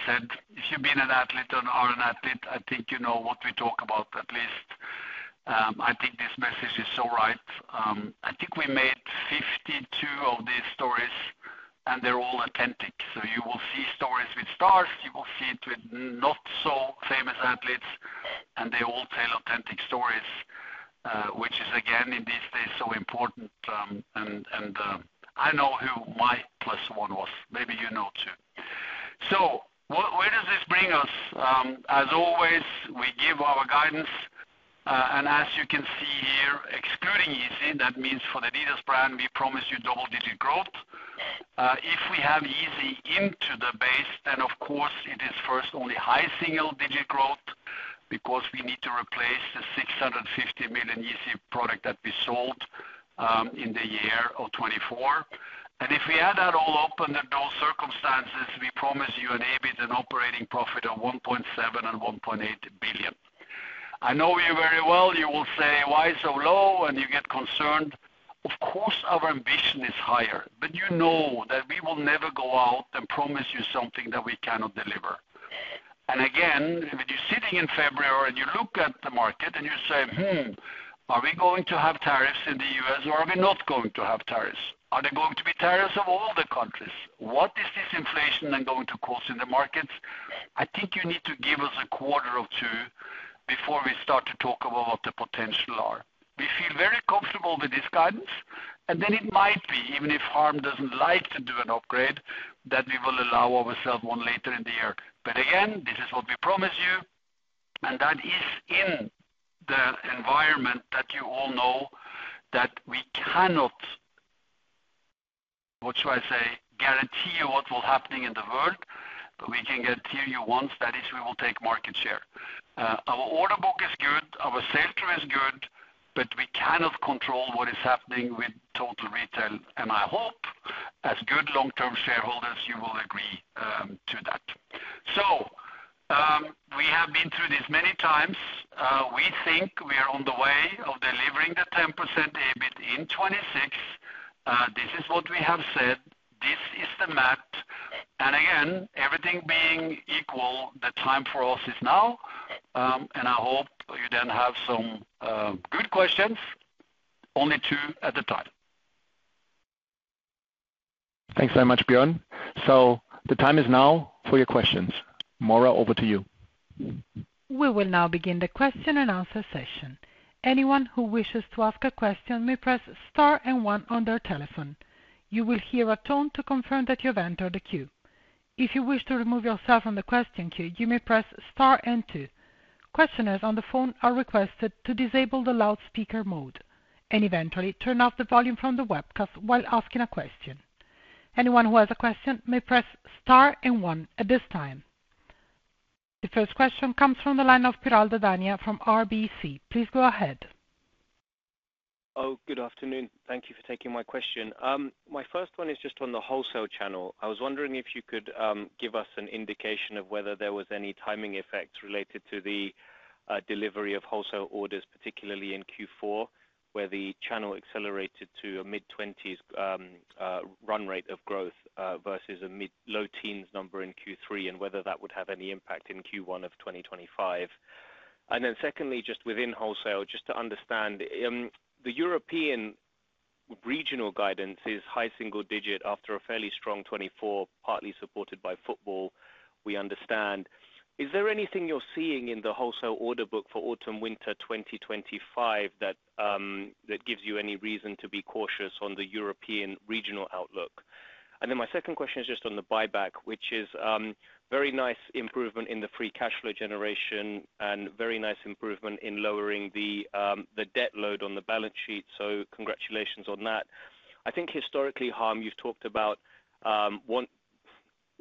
said, if you've been an athlete, I think you know what we talk about. At least, I think this message is so right. I think we made 52 of these stories, and they're all authentic. So you will see stories with stars. You will see it with not-so-famous athletes. And they all tell authentic stories, which is, again, in these days, so important. And I know who my plus one was. Maybe you know too. So where does this bring us? As always, we give our guidance. And as you can see here, excluding Yeezy, that means for the Adidas brand, we promise you double-digit growth. If we have Yeezy into the base, then of course, it is first only high single-digit growth because we need to replace the 650 million Yeezy product that we sold in the year of 2024. And if we add that all up under those circumstances, we promise you an EBIT and operating profit of 1.7 billion and 1.8 billion. I know you very well. You will say, "Why so low?" And you get concerned. Of course, our ambition is higher. But you know that we will never go out and promise you something that we cannot deliver. And again, when you're sitting in February and you look at the market and you say, are we going to have tariffs in the U.S. or are we not going to have tariffs? Are there going to be tariffs of all the countries? What is this inflation then going to cause in the markets?" I think you need to give us a quarter or two before we start to talk about what the potential are. We feel very comfortable with this guidance, and then it might be, even if Harm doesn't like to do an upgrade, that we will allow ourselves one later in the year but again, this is what we promise you, and that is in the environment that you all know that we cannot, what should I say, guarantee you what will happen in the world, but we can guarantee you once, that is, we will take market share. Our order book is good. Our sales crew is good but we cannot control what is happening with total retail, and I hope as good long-term shareholders, you will agree to that, so we have been through this many times. We think we are on the way of delivering the 10% EBIT in 2026. This is what we have said. This is the math. And again, everything being equal, the time for us is now. And I hope you then have some good questions. Only two at a time. Thanks very much, Bjørn. So the time is now for your questions. Maura, over to you. We will now begin the question and answer session. Anyone who wishes to ask a question may press star and one on their telephone. You will hear a tone to confirm that you have entered a queue. If you wish to remove yourself from the question queue, you may press star and two. Questioners on the phone are requested to disable the loudspeaker mode and eventually turn off the volume from the webcast while asking a question. Anyone who has a question may press star and one at this time. The first question comes from the line of Piral Dadhania from RBC. Please go ahead. Oh, good afternoon. Thank you for taking my question. My first one is just on the wholesale channel. I was wondering if you could give us an indication of whether there was any timing effect related to the delivery of wholesale orders, particularly in Q4, where the channel accelerated to a mid-20s run rate of growth versus a mid-low teens number in Q3 and whether that would have any impact in Q1 of 2025. And then secondly, just within wholesale, just to understand, the European regional guidance is high single-digit after a fairly strong 2024, partly supported by football, we understand. Is there anything you're seeing in the wholesale order book for autumn-winter 2025 that gives you any reason to be cautious on the European regional outlook? And then my second question is just on the buyback, which is very nice improvement in the free cash flow generation and very nice improvement in lowering the debt load on the balance sheet. So congratulations on that. I think historically, Harm, you've talked about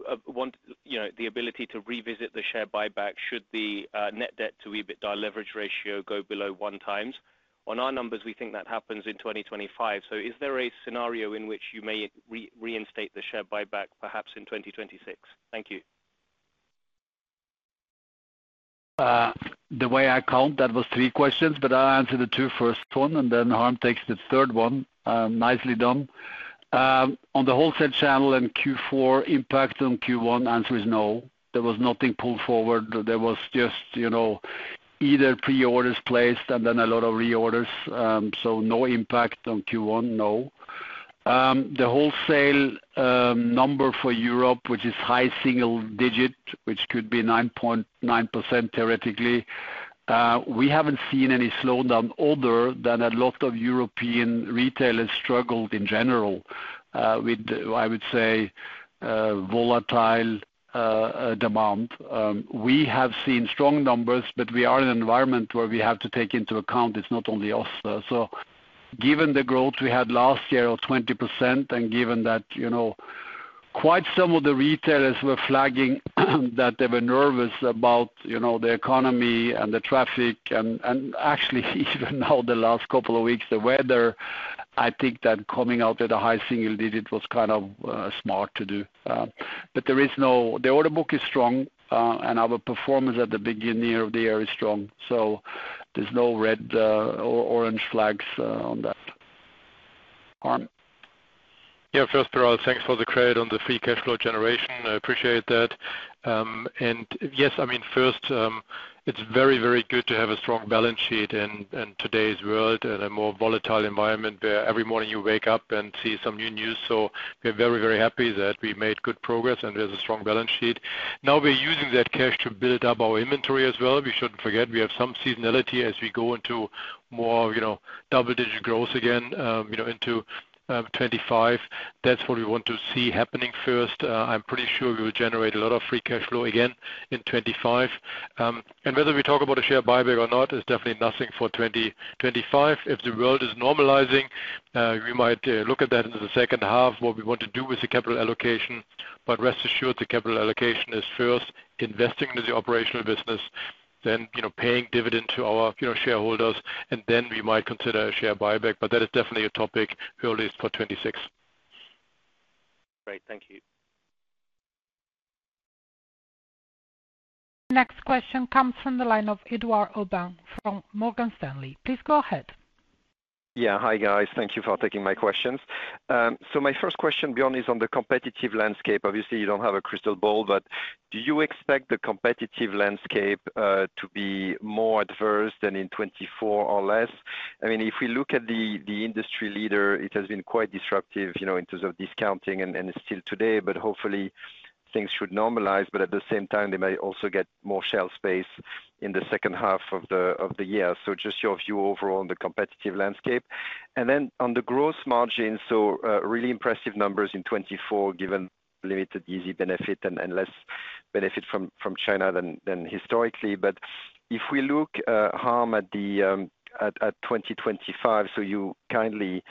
the ability to revisit the share buyback should the net debt-to-EBITDA leverage ratio go below one times. On our numbers, we think that happens in 2025. So is there a scenario in which you may reinstate the share buyback perhaps in 2026? Thank you. The way I count, that was three questions, but I'll answer the two first one. And then Harm takes the third one. Nicely done. On the wholesale channel and Q4 impact on Q1, answer is no. There was nothing pulled forward. There was just either pre-orders placed and then a lot of reorders, so no impact on Q1, no. The wholesale number for Europe, which is high single-digit, which could be 9.9% theoretically, we haven't seen any slowdown other than a lot of European retailers struggled in general with, I would say, volatile demand. We have seen strong numbers, but we are in an environment where we have to take into account it's not only us, so given the growth we had last year of 20% and given that quite some of the retailers were flagging that they were nervous about the economy and the traffic, and actually, even now, the last couple of weeks, the weather, I think that coming out at a high single-digit was kind of smart to do. But the order book is strong, and our performance at the beginning of the year is strong. So there's no red or orange flags on that. Harm? Yeah, first, Piral, thanks for the credit on the free cash flow generation. I appreciate that. And yes, I mean, first, it's very, very good to have a strong balance sheet in today's world and a more volatile environment where every morning you wake up and see some new news. So we're very, very happy that we made good progress and there's a strong balance sheet. Now we're using that cash to build up our inventory as well. We shouldn't forget we have some seasonality as we go into more double-digit growth again into 2025. That's what we want to see happening first. I'm pretty sure we will generate a lot of free cash flow again in 2025. Whether we talk about a share buyback or not is definitely nothing for 2025. If the world is normalizing, we might look at that in the second half, what we want to do with the capital allocation. But rest assured, the capital allocation is first, investing in the operational business, then paying dividend to our shareholders, and then we might consider a share buyback. But that is definitely a topic early for 2026. Great. Thank you. Next question comes from the line of Édouard Aubin from Morgan Stanley. Please go ahead. Yeah. Hi, guys. Thank you for taking my questions. So my first question, Bjørn, is on the competitive landscape. Obviously, you don't have a crystal ball, but do you expect the competitive landscape to be more adverse than in 2024 or less? I mean, if we look at the industry leader, it has been quite disruptive in terms of discounting and still today, but hopefully, things should normalize, but at the same time, they may also get more shelf space in the second half of the year, so just your view overall on the competitive landscape, and then on the gross margins, so really impressive numbers in 2024, given limited Yeezy benefit and less benefit from China than historically, but if we look, Harm, at 2025, so you kindly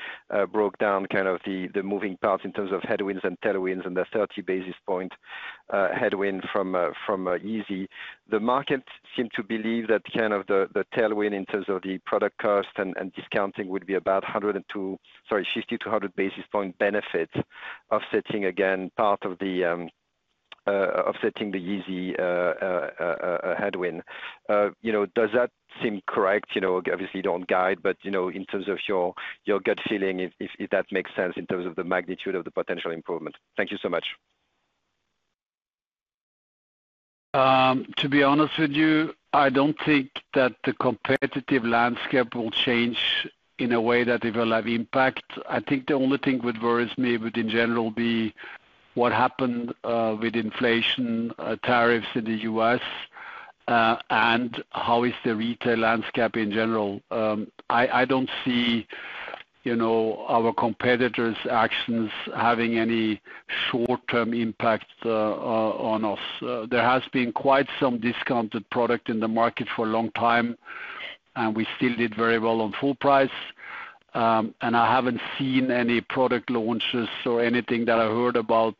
broke down kind of the moving parts in terms of headwinds and tailwinds and the 30 basis point headwind from Yeezy, the market seemed to believe that kind of the tailwind in terms of the product cost and discounting would be about 100 and 2, sorry, 50 to 100 basis point benefit offsetting again part of the offsetting the Yeezy headwind. Does that seem correct? Obviously, you don't guide, but in terms of your gut feeling, if that makes sense in terms of the magnitude of the potential improvement. Thank you so much. To be honest with you, I don't think that the competitive landscape will change in a way that it will have impact. I think the only thing that worries me would, in general, be what happened with inflation, tariffs in the U.S., and how is the retail landscape in general. I don't see our competitors' actions having any short-term impact on us. There has been quite some discounted product in the market for a long time, and we still did very well on full price. And I haven't seen any product launches or anything that I heard about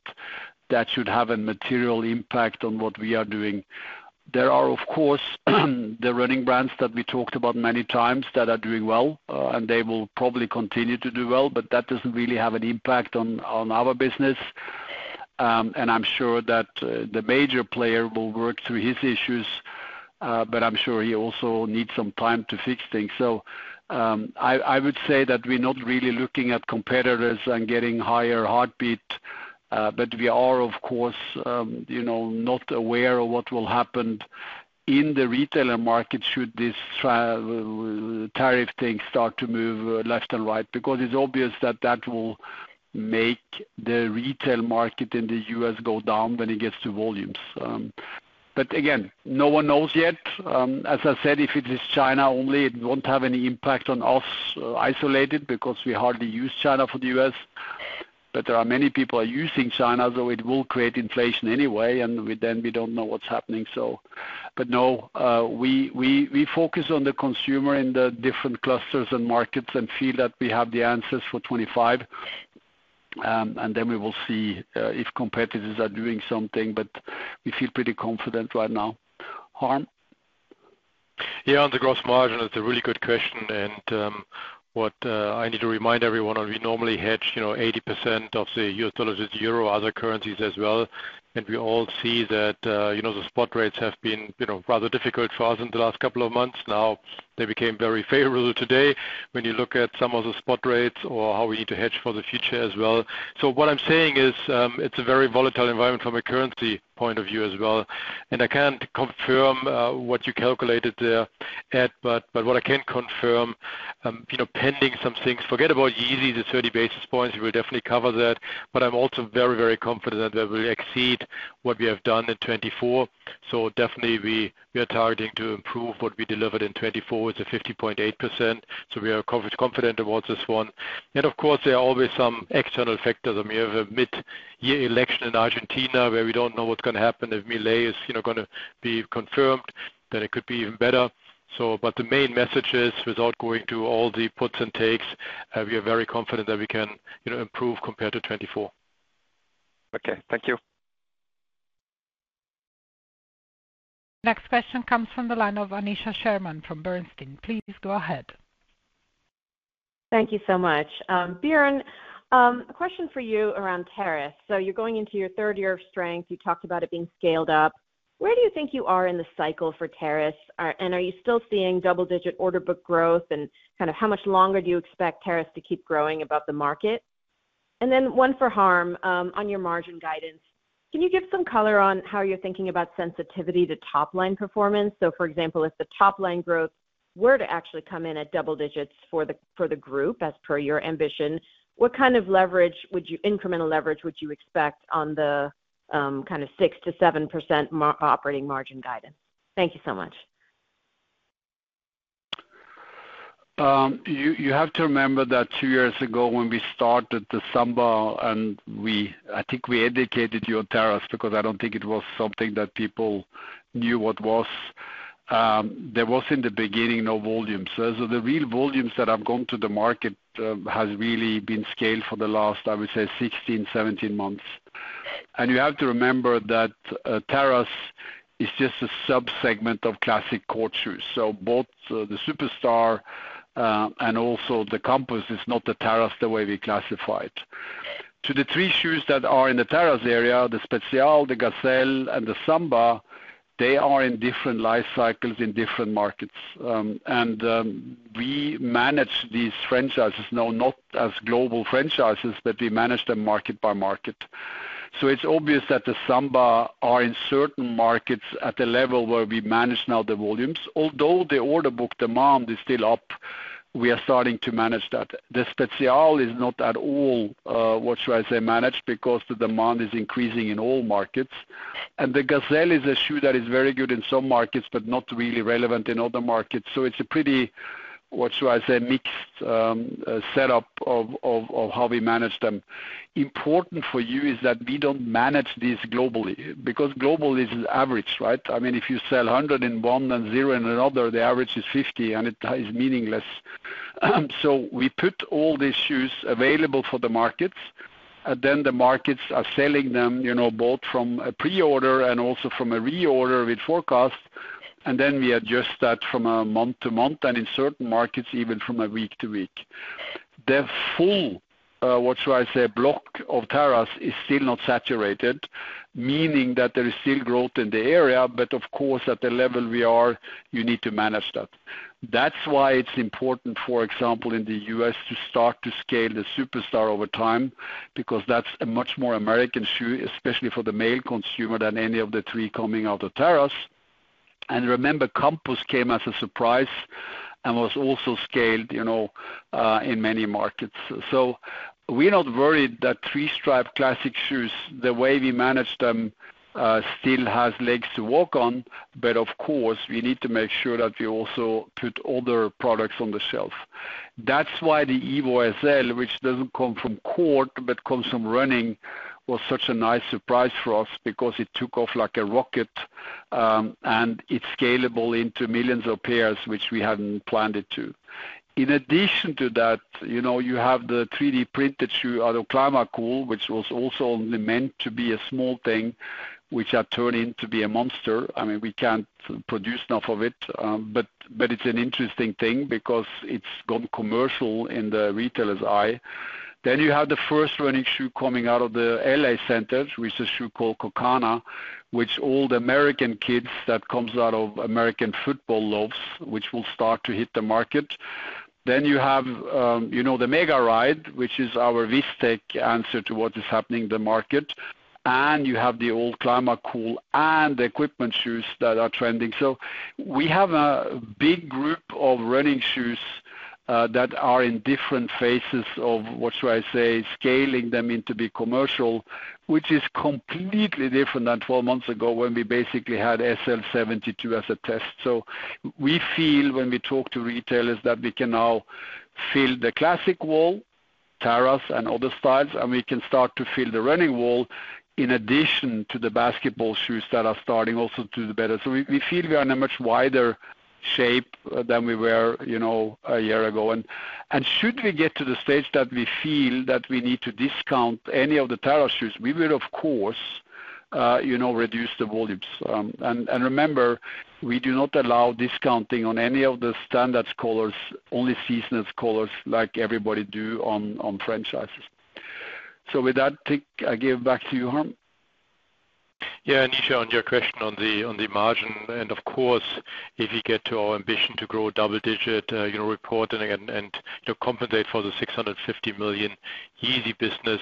that should have a material impact on what we are doing. There are, of course, the running brands that we talked about many times that are doing well, and they will probably continue to do well, but that doesn't really have an impact on our business, and I'm sure that the major player will work through his issues, but I'm sure he also needs some time to fix things, so I would say that we're not really looking at competitors and getting higher heartbeat, but we are, of course, not aware of what will happen in the retail market should this tariff thing start to move left and right because it's obvious that that will make the retail market in the U.S. go down when it gets to volumes, but again, no one knows yet. As I said, if it is China only, it won't have any impact on us isolated because we hardly use China for the U.S. But there are many people using China, so it will create inflation anyway, and then we don't know what's happening. But no, we focus on the consumer in the different clusters and markets and feel that we have the answers for 2025. And then we will see if competitors are doing something, but we feel pretty confident right now. Harm? Yeah, on the gross margin, it's a really good question. And what I need to remind everyone on, we normally hedge 80% of the U.S. dollars with euro other currencies as well. And we all see that the spot rates have been rather difficult for us in the last couple of months. Now, they became very favorable today when you look at some of the spot rates or how we need to hedge for the future as well. So what I'm saying is it's a very volatile environment from a currency point of view as well. And I can't confirm what you calculated there, Ed, but what I can confirm, pending some things, forget about Yeezy, the 30 basis points, we will definitely cover that. But I'm also very, very confident that we will exceed what we have done in 2024. So definitely, we are targeting to improve what we delivered in 2024. It's a 50.8%. So we are confident about this one. And of course, there are always some external factors. We have a mid-year election in Argentina where we don't know what's going to happen. If Milei is going to be confirmed, then it could be even better. But the main message is, without going to all the puts and takes, we are very confident that we can improve compared to 2024. Okay. Thank you. Next question comes from the line of Aneesha Sherman from Bernstein. Please go ahead. Thank you so much. Bjørn, a question for you around terrace. So you're going into your third year of strength. You talked about it being scaled up. Where do you think you are in the cycle for terrace? And are you still seeing double-digit order book growth? And kind of how much longer do you expect terrace to keep growing above the market? And then one for Harm on your margin guidance. Can you give some color on how you're thinking about sensitivity to top-line performance? So for example, if the top-line growth were to actually come in at double digits for the group as per your ambition, what kind of leverage, incremental leverage, would you expect on the kind of 6%-7% operating margin guidance? Thank you so much. You have to remember that two years ago when we started the Samba, and I think we educated you on terrace because I don't think it was something that people knew what it was. There was, in the beginning, no volume. So the real volumes that have gone to the market have really been scaled for the last, I would say, 16-17 months. You have to remember that terrace is just a subsegment of classic court shoes. So both the Superstar and also the Campus is not the terrace the way we classify it. The three shoes that are in the terrace area, the Spezial, the Gazelle, and the Samba, they are in different life cycles in different markets. We manage these franchises now, not as global franchises, but we manage them market by market. So it's obvious that the Samba are in certain markets at a level where we manage now the volumes. Although the order book demand is still up, we are starting to manage that. The Spezial is not at all, what shall I say, managed because the demand is increasing in all markets. And the Gazelle is a shoe that is very good in some markets but not really relevant in other markets. So it's a pretty, what shall I say, mixed setup of how we manage them. Important for you is that we don't manage these globally because global is average, right? I mean, if you sell 100 in one and zero in another, the average is 50, and it is meaningless. So we put all these shoes available for the markets, and then the markets are selling them both from a pre-order and also from a reorder with forecast. Then we adjust that from a month to month and in certain markets, even from a week to week. The full, what shall I say, block of terrace is still not saturated, meaning that there is still growth in the area, but of course, at the level we are, you need to manage that. That's why it's important, for example, in the US to start to scale the Superstar over time because that's a much more American shoe, especially for the male consumer, than any of the three coming out of terrace. Remember, Campus came as a surprise and was also scaled in many markets. We're not worried that three-stripe classic shoes, the way we manage them, still has legs to walk on. Of course, we need to make sure that we also put other products on the shelf. That's why the Evo SL, which doesn't come from court but comes from running, was such a nice surprise for us because it took off like a rocket, and it's scalable into millions of pairs, which we hadn't planned it to. In addition to that, you have the 3D printed shoe, out of Climacool, which was also meant to be a small thing, which has turned into being a monster. I mean, we can't produce enough of it, but it's an interesting thing because it's gone commercial in the retailer's eye. Then you have the first running shoe coming out of the L.A. Centers, which is a shoe called Goukana which all the American kids that come out of American football loves, which will start to hit the market. Then you have the Megaride, which is our Vis-Tech answer to what is happening in the market. You have the old Climacool and the Equipment shoes that are trending. We have a big group of running shoes that are in different phases of, what shall I say, scaling them into being commercial, which is completely different than 12 months ago when we basically had SL 72 as a test. We feel when we talk to retailers that we can now fill the classics wall, terrace, and other styles, and we can start to fill the running wall in addition to the basketball shoes that are starting also to do better. We feel we are in a much wider shape than we were a year ago. Should we get to the stage that we feel that we need to discount any of the terrace shoes, we will, of course, reduce the volumes. And remember, we do not allow discounting on any of the standard colors, only seasonal colors like everybody do on franchises. So with that, I give back to you, Harm. Yeah, Aneesha, on your question on the margin. And of course, if you get to our ambition to grow double-digit reporting and compensate for the 650 million Yeezy business,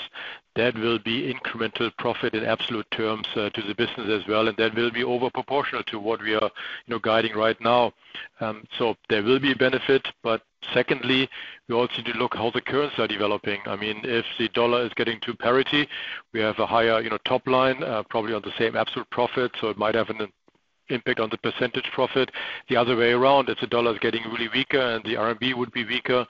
that will be incremental profit in absolute terms to the business as well. And that will be overproportional to what we are guiding right now. So there will be a benefit. But secondly, we also need to look at how the currency are developing. I mean, if the dollar is getting to parity, we have a higher top line, probably on the same absolute profit. So it might have an impact on the percentage profit. The other way around, if the dollar is getting really weaker and the RMB would be weaker,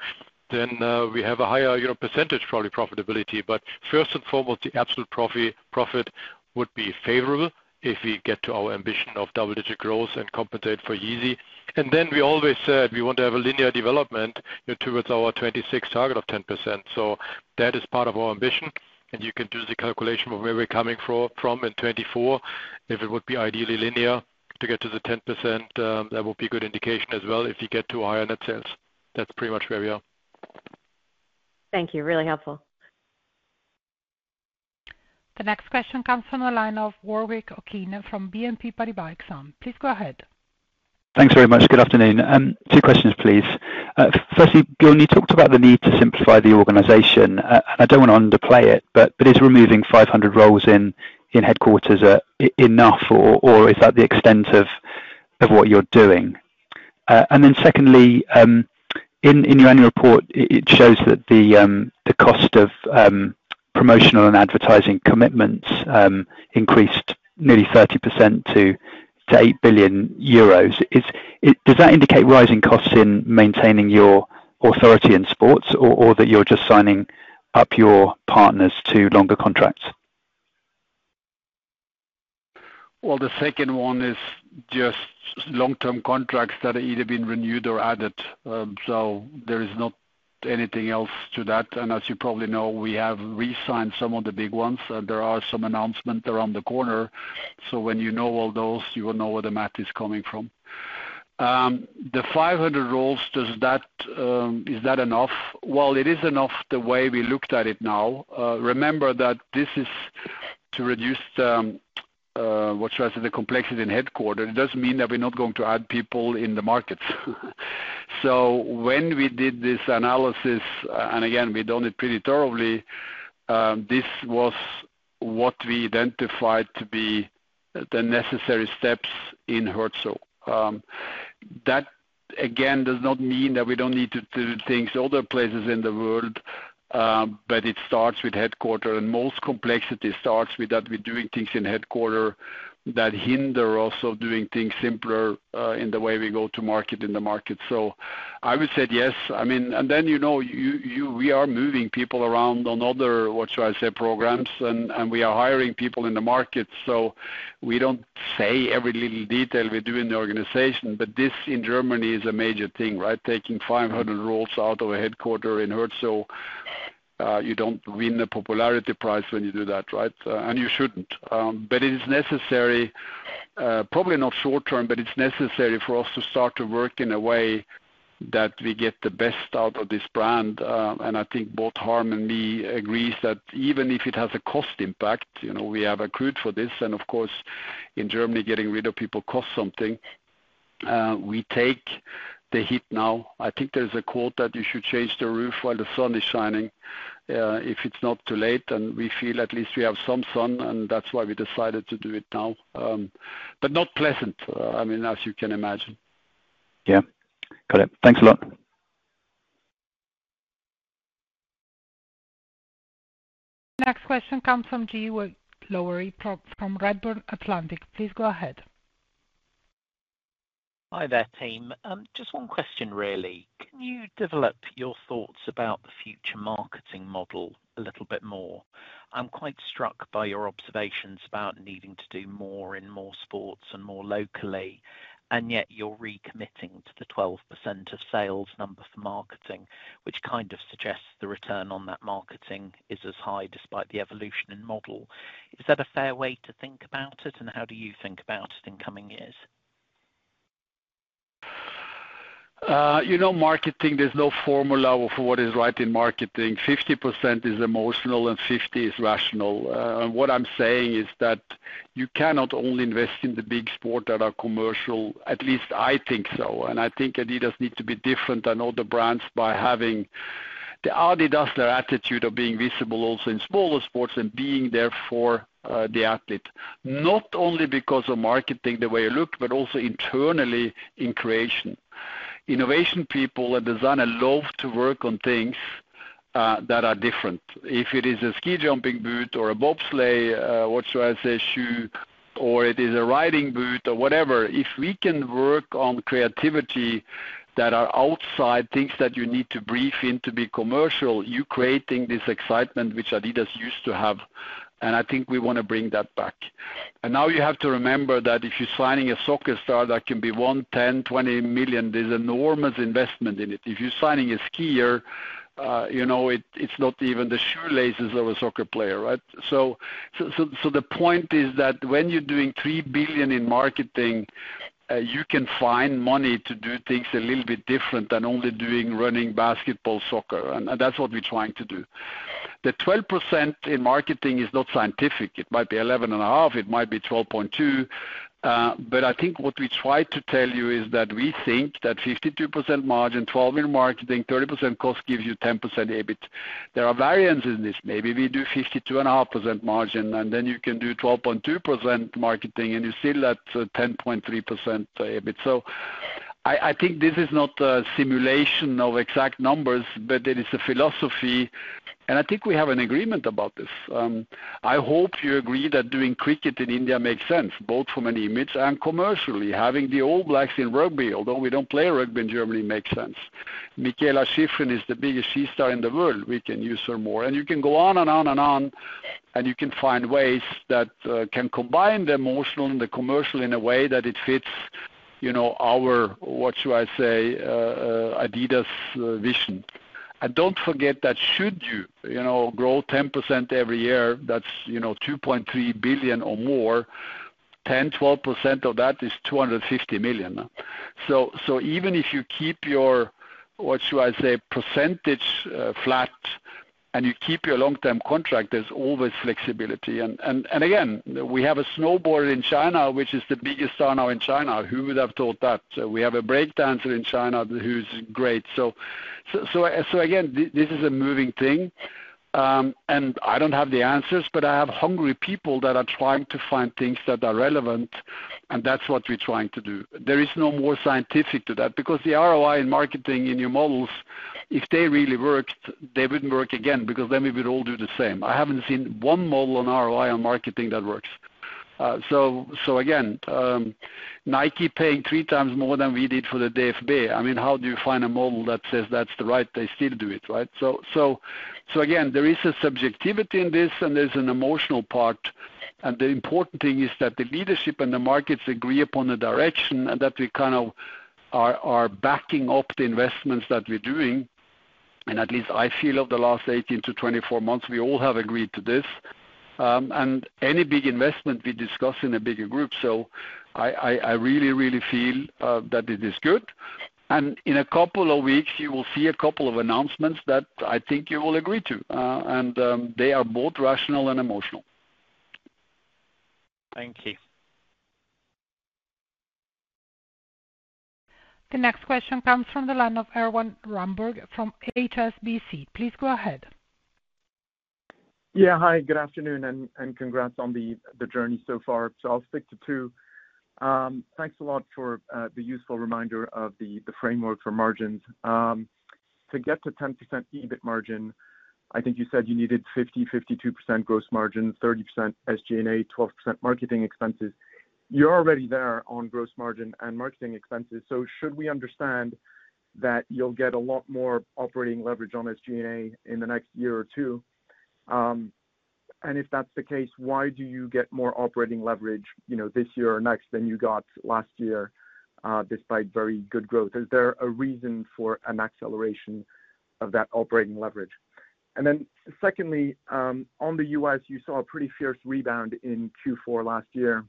then we have a higher percentage, probably profitability. But first and foremost, the absolute profit would be favorable if we get to our ambition of double-digit growth and compensate for Yeezy. And then we always said we want to have a linear development towards our 26 target of 10%. So that is part of our ambition. And you can do the calculation of where we're coming from in 2024. If it would be ideally linear to get to the 10%, that would be a good indication as well if we get to higher net sales. That's pretty much where we are. Thank you. Really helpful. The next question comes from the line of Warwick Okines from BNP Paribas. Please go ahead. Thanks very much. Good afternoon. Two questions, please. Firstly, Bjørn, you talked about the need to simplify the organization. I don't want to underplay it, but is removing 500 roles in headquarters enough, or is that the extent of what you're doing? And then secondly, in your annual report, it shows that the cost of promotional and advertising commitments increased nearly 30% to 8 billion euros. Does that indicate rising costs in maintaining your authority in sports or that you're just signing up your partners to longer contracts? Well, the second one is just long-term contracts that have either been renewed or added. So there is not anything else to that. And as you probably know, we have re-signed some of the big ones, and there are some announcements around the corner. So when you know all those, you will know where the math is coming from. The 500 roles, is that enough? Well, it is enough the way we looked at it now. Remember that this is to reduce the, what shall I say, the complexity in headquarters. It doesn't mean that we're not going to add people in the markets. So when we did this analysis, and again, we've done it pretty thoroughly, this was what we identified to be the necessary steps in Herzogenaurach. That, again, does not mean that we don't need to do things other places in the world, but it starts with headquarters. And most complexity starts with that we're doing things in headquarters that hinder us of doing things simpler in the way we go to market in the market. So I would say yes. I mean, and then we are moving people around on other, what shall I say, programs, and we are hiring people in the market. So we don't say every little detail we do in the organization, but this in Germany is a major thing, right? Taking 500 roles out of a headquarters in Herzogenaurach, you don't win the popularity prize when you do that, right? And you shouldn't. But it is necessary, probably not short term, but it's necessary for us to start to work in a way that we get the best out of this brand. And I think both Harm and me agree that even if it has a cost impact, we have accrued for this. And of course, in Germany, getting rid of people costs something. We take the hit now. I think there's a quote that you should change the roof while the sun is shining if it's not too late. And we feel at least we have some sun, and that's why we decided to do it now. But not pleasant, I mean, as you can imagine. Yeah. Got it. Thanks a lot. Next question comes from Geoff Lowery from Redburn Atlantic. Please go ahead. Hi there, team. Just one question, really. Can you develop your thoughts about the future marketing model a little bit more? I'm quite struck by your observations about needing to do more in more sports and more locally, and yet you're recommitting to the 12% of sales number for marketing, which kind of suggests the return on that marketing is as high despite the evolution in model. Is that a fair way to think about it, and how do you think about it in coming years? Marketing, there's no formula for what is right in marketing. 50% is emotional, and 50% is rational. And what I'm saying is that you cannot only invest in the big sport that are commercial, at least I think so. And I think Adidas needs to be different than other brands by having the Adidas attitude of being visible also in smaller sports and being there for the athlete. Not only because of marketing the way you look, but also internally in creation. Innovation people at the zone love to work on things that are different. If it is a ski jumping boot or a bobsleigh, what shall I say, shoe, or it is a riding boot or whatever, if we can work on creativity that are outside things that you need to believe in to be commercial, you're creating this excitement which Adidas used to have. And I think we want to bring that back. Now you have to remember that if you're signing a soccer star that can be 1 million, 10 million, 20 million, there's enormous investment in it. If you're signing a skier, it's not even the shoelaces of a soccer player, right? The point is that when you're doing 3 billion in marketing, you can find money to do things a little bit different than only doing running, basketball, soccer. That's what we're trying to do. The 12% in marketing is not scientific. It might be 11.5%. It might be 12.2%. But I think what we try to tell you is that we think that 52% margin, 12% in marketing, 30% cost gives you 10% EBIT. There are variances in this. Maybe we do 52.5% margin, and then you can do 12.2% marketing, and you still add 10.3% EBIT. So I think this is not a simulation of exact numbers, but it is a philosophy. And I think we have an agreement about this. I hope you agree that doing cricket in India makes sense, both from an image and commercially. Having the All Blacks in rugby, although we don't play rugby in Germany, makes sense. Mikaela Shiffrin is the biggest ski star in the world. We can use her more. And you can go on and on and on, and you can find ways that can combine the emotional and the commercial in a way that it fits our, what shall I say, Adidas vision. And don't forget that should you grow 10% every year, that's 2.3 billion or more, 10%-12% of that is 250 million. So even if you keep your, what shall I say, percentage flat and you keep your long-term contract, there's always flexibility. Again, we have a snowboard in China, which is the biggest style now in China. Who would have thought that? We have a breakdancer in China who's great. Again, this is a moving thing. I don't have the answers, but I have hungry people that are trying to find things that are relevant, and that's what we're trying to do. There is no more scientific to that because the ROI in marketing in your models, if they really worked, they wouldn't work again because then we would all do the same. I haven't seen one model on ROI on marketing that works. Again, Nike paying three times more than we did for the DFB. I mean, how do you find a model that says that's the right? They still do it, right? Again, there is a subjectivity in this, and there's an emotional part. The important thing is that the leadership and the markets agree upon the direction and that we kind of are backing up the investments that we're doing. And at least I feel of the last 18-24 months, we all have agreed to this. And any big investment, we discuss in a bigger group. So I really, really feel that it is good. And in a couple of weeks, you will see a couple of announcements that I think you will agree to. And they are both rational and emotional. Thank you. The next question comes from the line of Erwan Rambourg from HSBC. Please go ahead. Yeah. Hi. Good afternoon and congrats on the journey so far. So I'll stick to two. Thanks a lot for the useful reminder of the framework for margins. To get to 10% EBIT margin, I think you said you needed 50%-52% gross margin, 30% SG&A, 12% marketing expenses. You're already there on gross margin and marketing expenses. So should we understand that you'll get a lot more operating leverage on SG&A in the next year or two? And if that's the case, why do you get more operating leverage this year or next than you got last year despite very good growth? Is there a reason for an acceleration of that operating leverage? And then secondly, on the U.S., you saw a pretty fierce rebound in Q4 last year.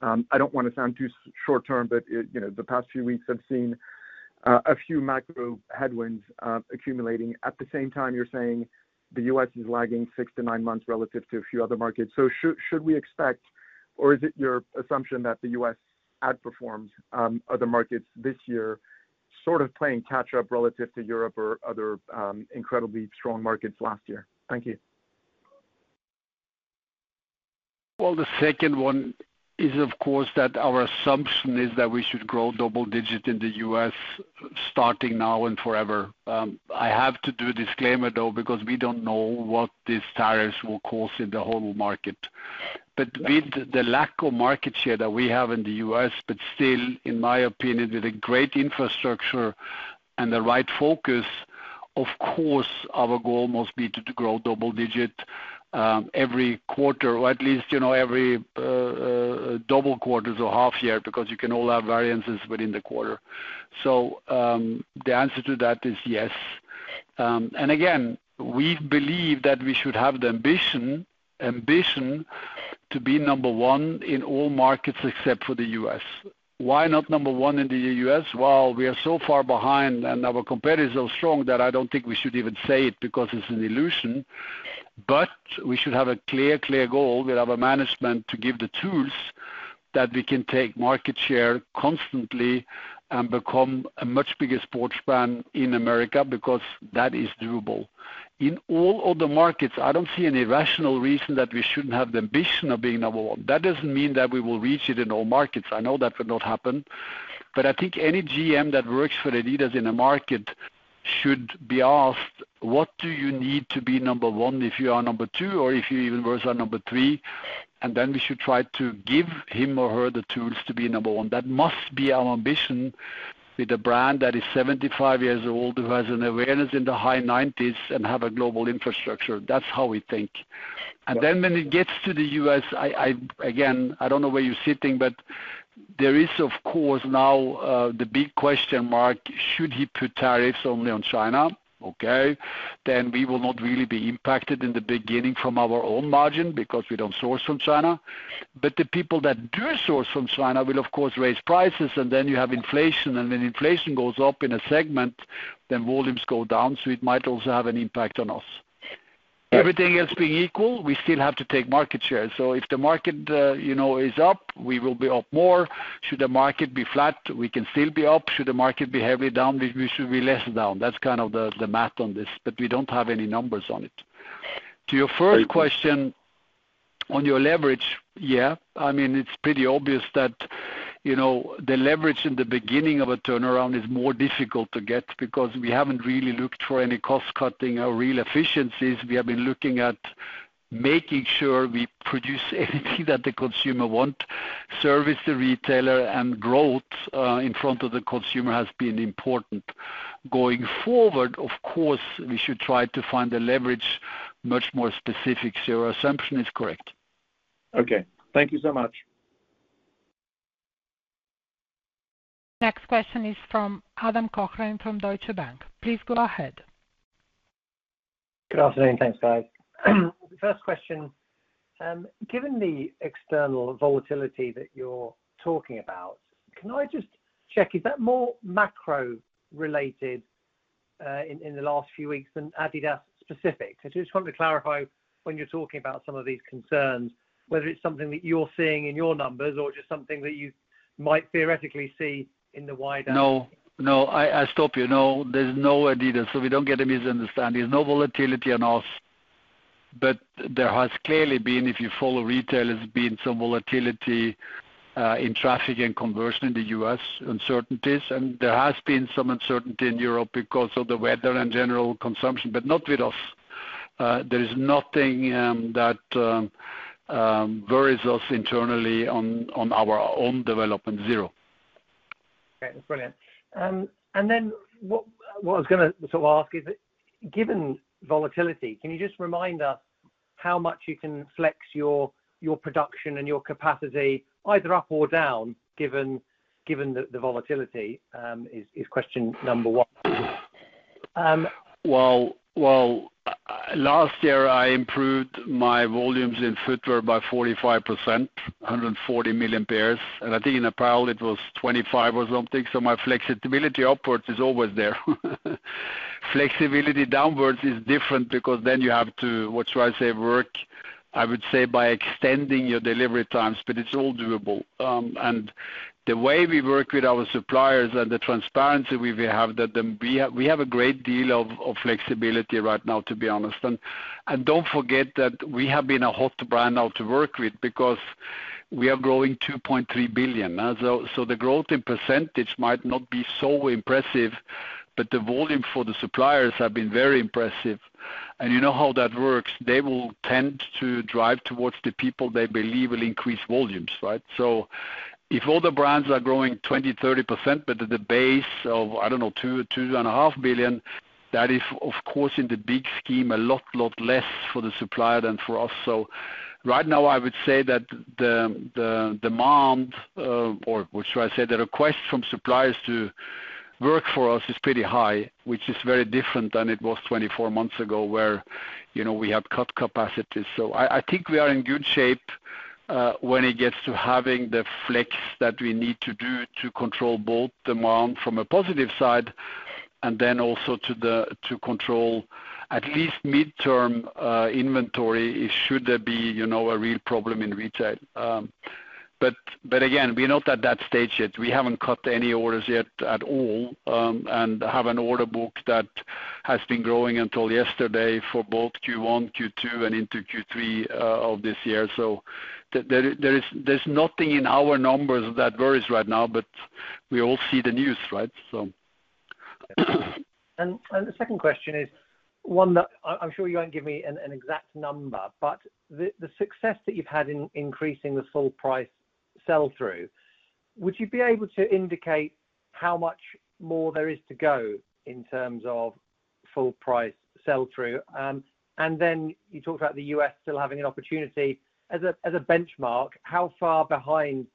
I don't want to sound too short term, but the past few weeks, I've seen a few macro headwinds accumulating. At the same time, you're saying the U.S. is lagging six to nine months relative to a few other markets. So should we expect, or is it your assumption that the U.S. outperforms other markets this year, sort of playing catch-up relative to Europe or other incredibly strong markets last year? Thank you. Well, the second one is, of course, that our assumption is that we should grow double-digit in the U.S. starting now and forever. I have to do a disclaimer, though, because we don't know what these tariffs will cause in the whole market. But with the lack of market share that we have in the U.S., but still, in my opinion, with a great infrastructure and the right focus, of course, our goal must be to grow double-digit every quarter, or at least every double quarters or half-year because you can all have variances within the quarter. So the answer to that is yes. Again, we believe that we should have the ambition to be number one in all markets except for the US. Why not number one in the US? We are so far behind, and our competitors are so strong that I don't think we should even say it because it's an illusion. We should have a clear, clear goal with our management to give the tools that we can take market share constantly and become a much bigger sports brand in America because that is doable. In all other markets, I don't see any rational reason that we shouldn't have the ambition of being number one. That doesn't mean that we will reach it in all markets. I know that will not happen. But I think any GM that works for Adidas in a market should be asked, "What do you need to be number one if you are number two, or if you even were number three?" And then we should try to give him or her the tools to be number one. That must be our ambition with a brand that is 75 years old, who has an awareness in the high 90s, and have a global infrastructure. That's how we think. And then when it gets to the U.S., again, I don't know where you're sitting, but there is, of course, now the big question mark, should he put tariffs only on China? Okay. Then we will not really be impacted in the beginning from our own margin because we don't source from China. But the people that do source from China will, of course, raise prices, and then you have inflation. And when inflation goes up in a segment, then volumes go down, so it might also have an impact on us. Everything else being equal, we still have to take market share. So if the market is up, we will be up more. Should the market be flat, we can still be up. Should the market be heavily down, we should be less down. That's kind of the math on this, but we don't have any numbers on it. To your first question, on your leverage, yeah. I mean, it's pretty obvious that the leverage in the beginning of a turnaround is more difficult to get because we haven't really looked for any cost-cutting or real efficiencies. We have been looking at making sure we produce anything that the consumer wants. Service the retailer and growth in front of the consumer has been important. Going forward, of course, we should try to find the leverage much more specific. So your assumption is correct. Okay. Thank you so much. Next question is from Adam Cochrane from Deutsche Bank. Please go ahead. Good afternoon. Thanks, guys. First question. Given the external volatility that you're talking about, can I just check? Is that more macro-related in the last few weeks than Adidas-specific? I just want to clarify when you're talking about some of these concerns, whether it's something that you're seeing in your numbers or just something that you might theoretically see in the wider? No. No. I stop you. No. There's no Adidas. So we don't get a misunderstanding. There's no volatility on us. There has clearly been, if you follow retailers, some volatility in traffic and conversion in the U.S., uncertainties. There has been some uncertainty in Europe because of the weather and general consumption, but not with us. There is nothing that worries us internally on our own development, zero. Okay. That's brilliant. Then what I was going to sort of ask is, given volatility, can you just remind us how much you can flex your production and your capacity either up or down, given that the volatility is question number one? Last year, I improved my volumes in footwear by 45%, 140 million pairs. And I think in apparel, it was 25 or something. So my flexibility upwards is always there. Flexibility downwards is different because then you have to, what shall I say, work, I would say, by extending your delivery times, but it's all doable. And the way we work with our suppliers and the transparency we have, we have a great deal of flexibility right now, to be honest. And don't forget that we have been a hot brand now to work with because we are growing 2.3 billion. So the growth in percentage might not be so impressive, but the volume for the suppliers has been very impressive. And you know how that works. They will tend to drive towards the people they believe will increase volumes, right? So if all the brands are growing 20%-30%, but at the base of, I don't know, 2-2.5 billion, that is, of course, in the big scheme, a lot, lot less for the supplier than for us. So right now, I would say that the demand, or what shall I say, the request from suppliers to work for us is pretty high, which is very different than it was 24 months ago where we have cut capacity. So I think we are in good shape when it gets to having the flex that we need to do to control both demand from a positive side and then also to control at least midterm inventory should there be a real problem in retail. But again, we're not at that stage yet. We haven't cut any orders yet at all and have an order book that has been growing until yesterday for both Q1, Q2, and into Q3 of this year. So there's nothing in our numbers that worries right now, but we all see the news, right? And the second question is one that I'm sure you won't give me an exact number, but the success that you've had in increasing the full-price sell-through, would you be able to indicate how much more there is to go in terms of full-price sell-through? And then you talked about the US still having an opportunity. As a benchmark, how far behind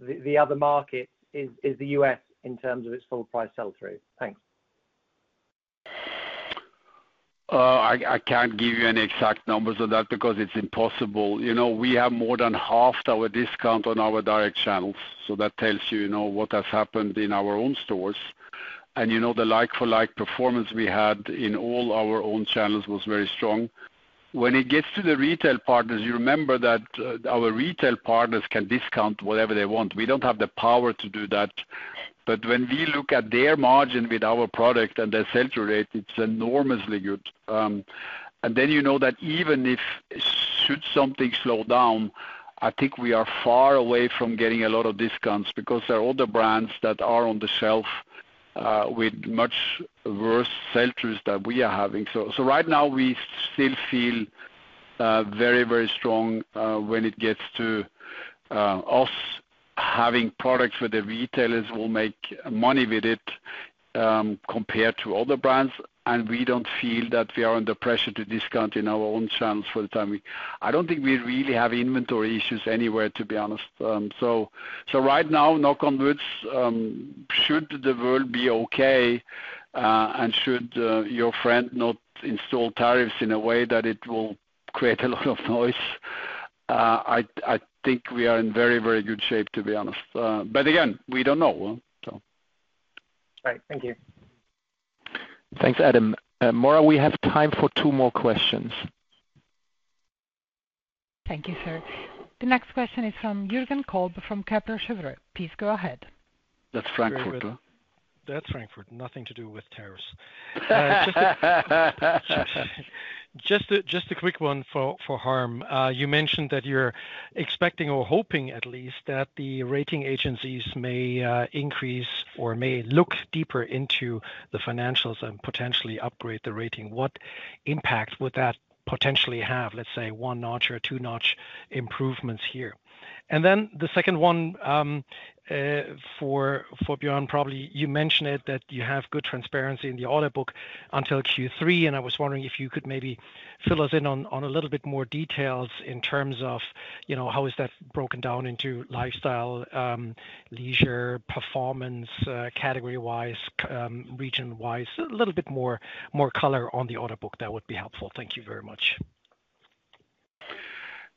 the other markets is the US in terms of its full-price sell-through? Thanks. I can't give you an exact number on that because it's impossible. We have more than half our discount on our direct channels. So that tells you what has happened in our own stores, and the like-for-like performance we had in all our own channels was very strong. When it gets to the retail partners, you remember that our retail partners can discount whatever they want. We don't have the power to do that, but when we look at their margin with our product and their sell-through rate, it's enormously good, and then you know that even if something slows down, I think we are far away from getting a lot of discounts because there are other brands that are on the shelf with much worse sell-throughs than we are having, so right now, we still feel very, very strong when it gets to us having products where the retailers will make money with it compared to other brands. And we don't feel that we are under pressure to discount in our own channels for the time. I don't think we really have inventory issues anywhere, to be honest. So right now, knock on wood, should the world be okay and should your friend not install tariffs in a way that it will create a lot of noise, I think we are in very, very good shape, to be honest. But again, we don't know, so. Right. Thank you. Thanks, Adam. Maura, we have time for two more questions. Thank you, sir. The next question is from Jürgen Kolb from Kepler Cheuvreux. Please go ahead. That's Frankfurt, huh? That's Frankfurt. Nothing to do with tariffs. Just a quick one for Harm. You mentioned that you're expecting or hoping, at least, that the rating agencies may increase or may look deeper into the financials and potentially upgrade the rating. What impact would that potentially have, let's say, one-notch or two-notch improvements here? And then the second one for Bjørn, probably you mentioned that you have good transparency in the order book until Q3, and I was wondering if you could maybe fill us in on a little bit more details in terms of how is that broken down into lifestyle, leisure, performance, category-wise, region-wise. A little bit more color on the order book, that would be helpful. Thank you very much.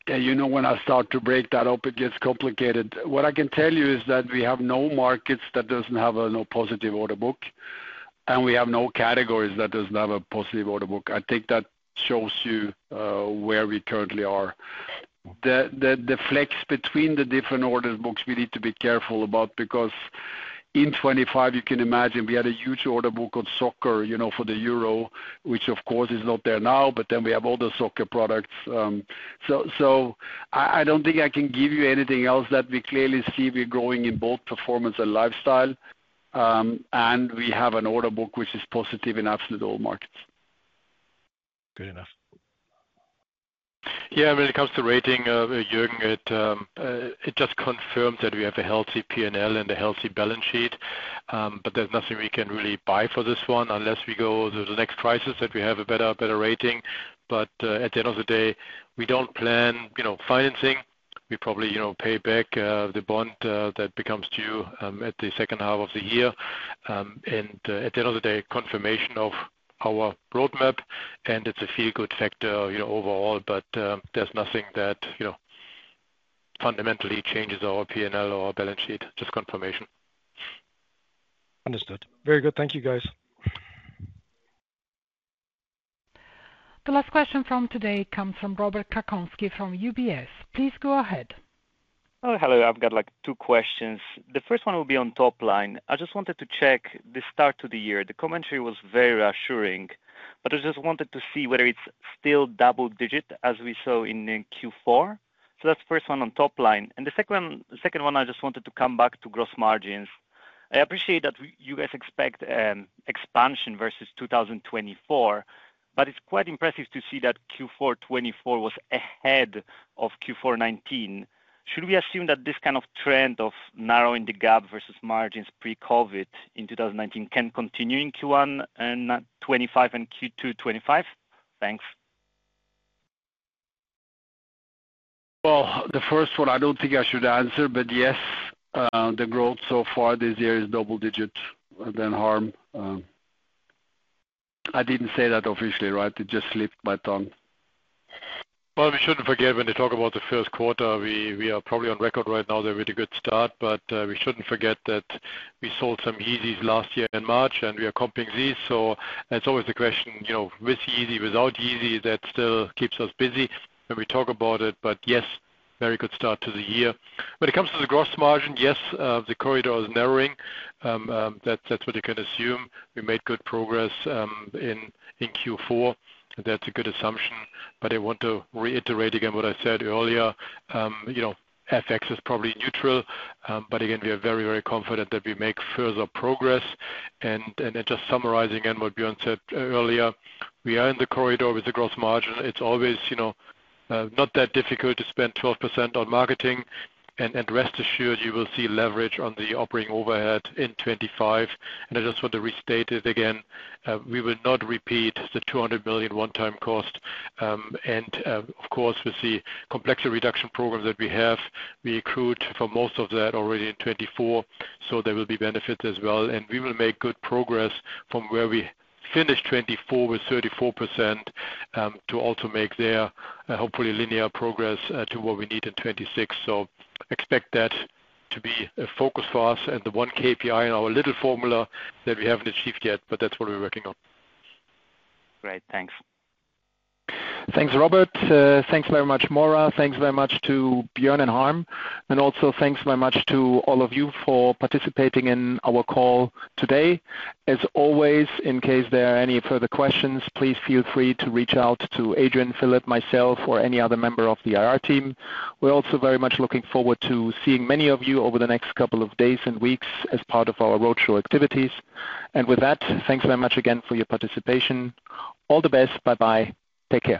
Yeah. You know when I start to break that up, it gets complicated. What I can tell you is that we have no markets that don't have a positive order book, and we have no categories that don't have a positive order book. I think that shows you where we currently are. The flex between the different order books, we need to be careful about because in 2025, you can imagine we had a huge order book on soccer for the Euro, which, of course, is not there now, but then we have other soccer products. So I don't think I can give you anything else that we clearly see we're growing in both performance and lifestyle, and we have an order book which is positive in absolute all markets. Good enough. Yeah. When it comes to rating, Jürgen, it just confirms that we have a healthy P&L and a healthy balance sheet, but there's nothing we can really buy for this one unless we go through the next crisis that we have a better rating. But at the end of the day, we don't plan financing. We probably pay back the bond that becomes due at the second half of the year, and at the end of the day, confirmation of our roadmap, and it's a feel-good factor overall, but there's nothing that fundamentally changes our P&L or our balance sheet, just confirmation. Understood. Very good. Thank you, guys. The last question from today comes from Robert Krankowski from UBS. Please go ahead. Hello. Hello. I've got two questions. The first one will be on top line. I just wanted to check the start of the year. The commentary was very reassuring, but I just wanted to see whether it's still double-digit as we saw in Q4. So that's the first one on top line, and the second one, I just wanted to come back to gross margins. I appreciate that you guys expect expansion versus 2024, but it's quite impressive to see that Q4 2024 was ahead of Q4 2019. Should we assume that this kind of trend of narrowing the gap versus margins pre-COVID in 2019 can continue in Q1 2025 and Q2 2025? Thanks. Well, the first one, I don't think I should answer, but yes, the growth so far this year is double-digit, Harm. I didn't say that officially, right? It just slipped my tongue. Well, we shouldn't forget when they talk about the first quarter, we are probably on record right now. It's a really good start, but we shouldn't forget that we sold some Yeezys last year in March, and we are comping these. So it's always the question, with Yeezy, without Yeezy, that still keeps us busy when we talk about it. But yes, very good start to the year. When it comes to the gross margin, yes, the corridor is narrowing. That's what you can assume. We made good progress in Q4. That's a good assumption, but I want to reiterate again what I said earlier. FX is probably neutral, but again, we are very, very confident that we make further progress, and just summarizing again what Bjørn said earlier, we are in the corridor with the gross margin. It's always not that difficult to spend 12% on marketing, and rest assured, you will see leverage on the operating overhead in 2025, and I just want to restate it again. We will not repeat the 200 million one-time cost, and of course, we see complexity reduction programs that we have. We accrued for most of that already in 2024, so there will be benefits as well. We will make good progress from where we finished 2024 with 34% to also make there, hopefully, linear progress to what we need in 2026. So expect that to be a focus for us and the one KPI in our little formula that we haven't achieved yet, but that's what we're working on. Great. Thanks. Thanks, Robert. Thanks very much, Maura. Thanks very much to Bjørn and Harm. Also, thanks very much to all of you for participating in our call today. As always, in case there are any further questions, please feel free to reach out to Adrian, Philip, myself, or any other member of the IR team. We're also very much looking forward to seeing many of you over the next couple of days and weeks as part of our roadshow activities. With that, thanks very much again for your participation. All the best. Bye-bye. Take care.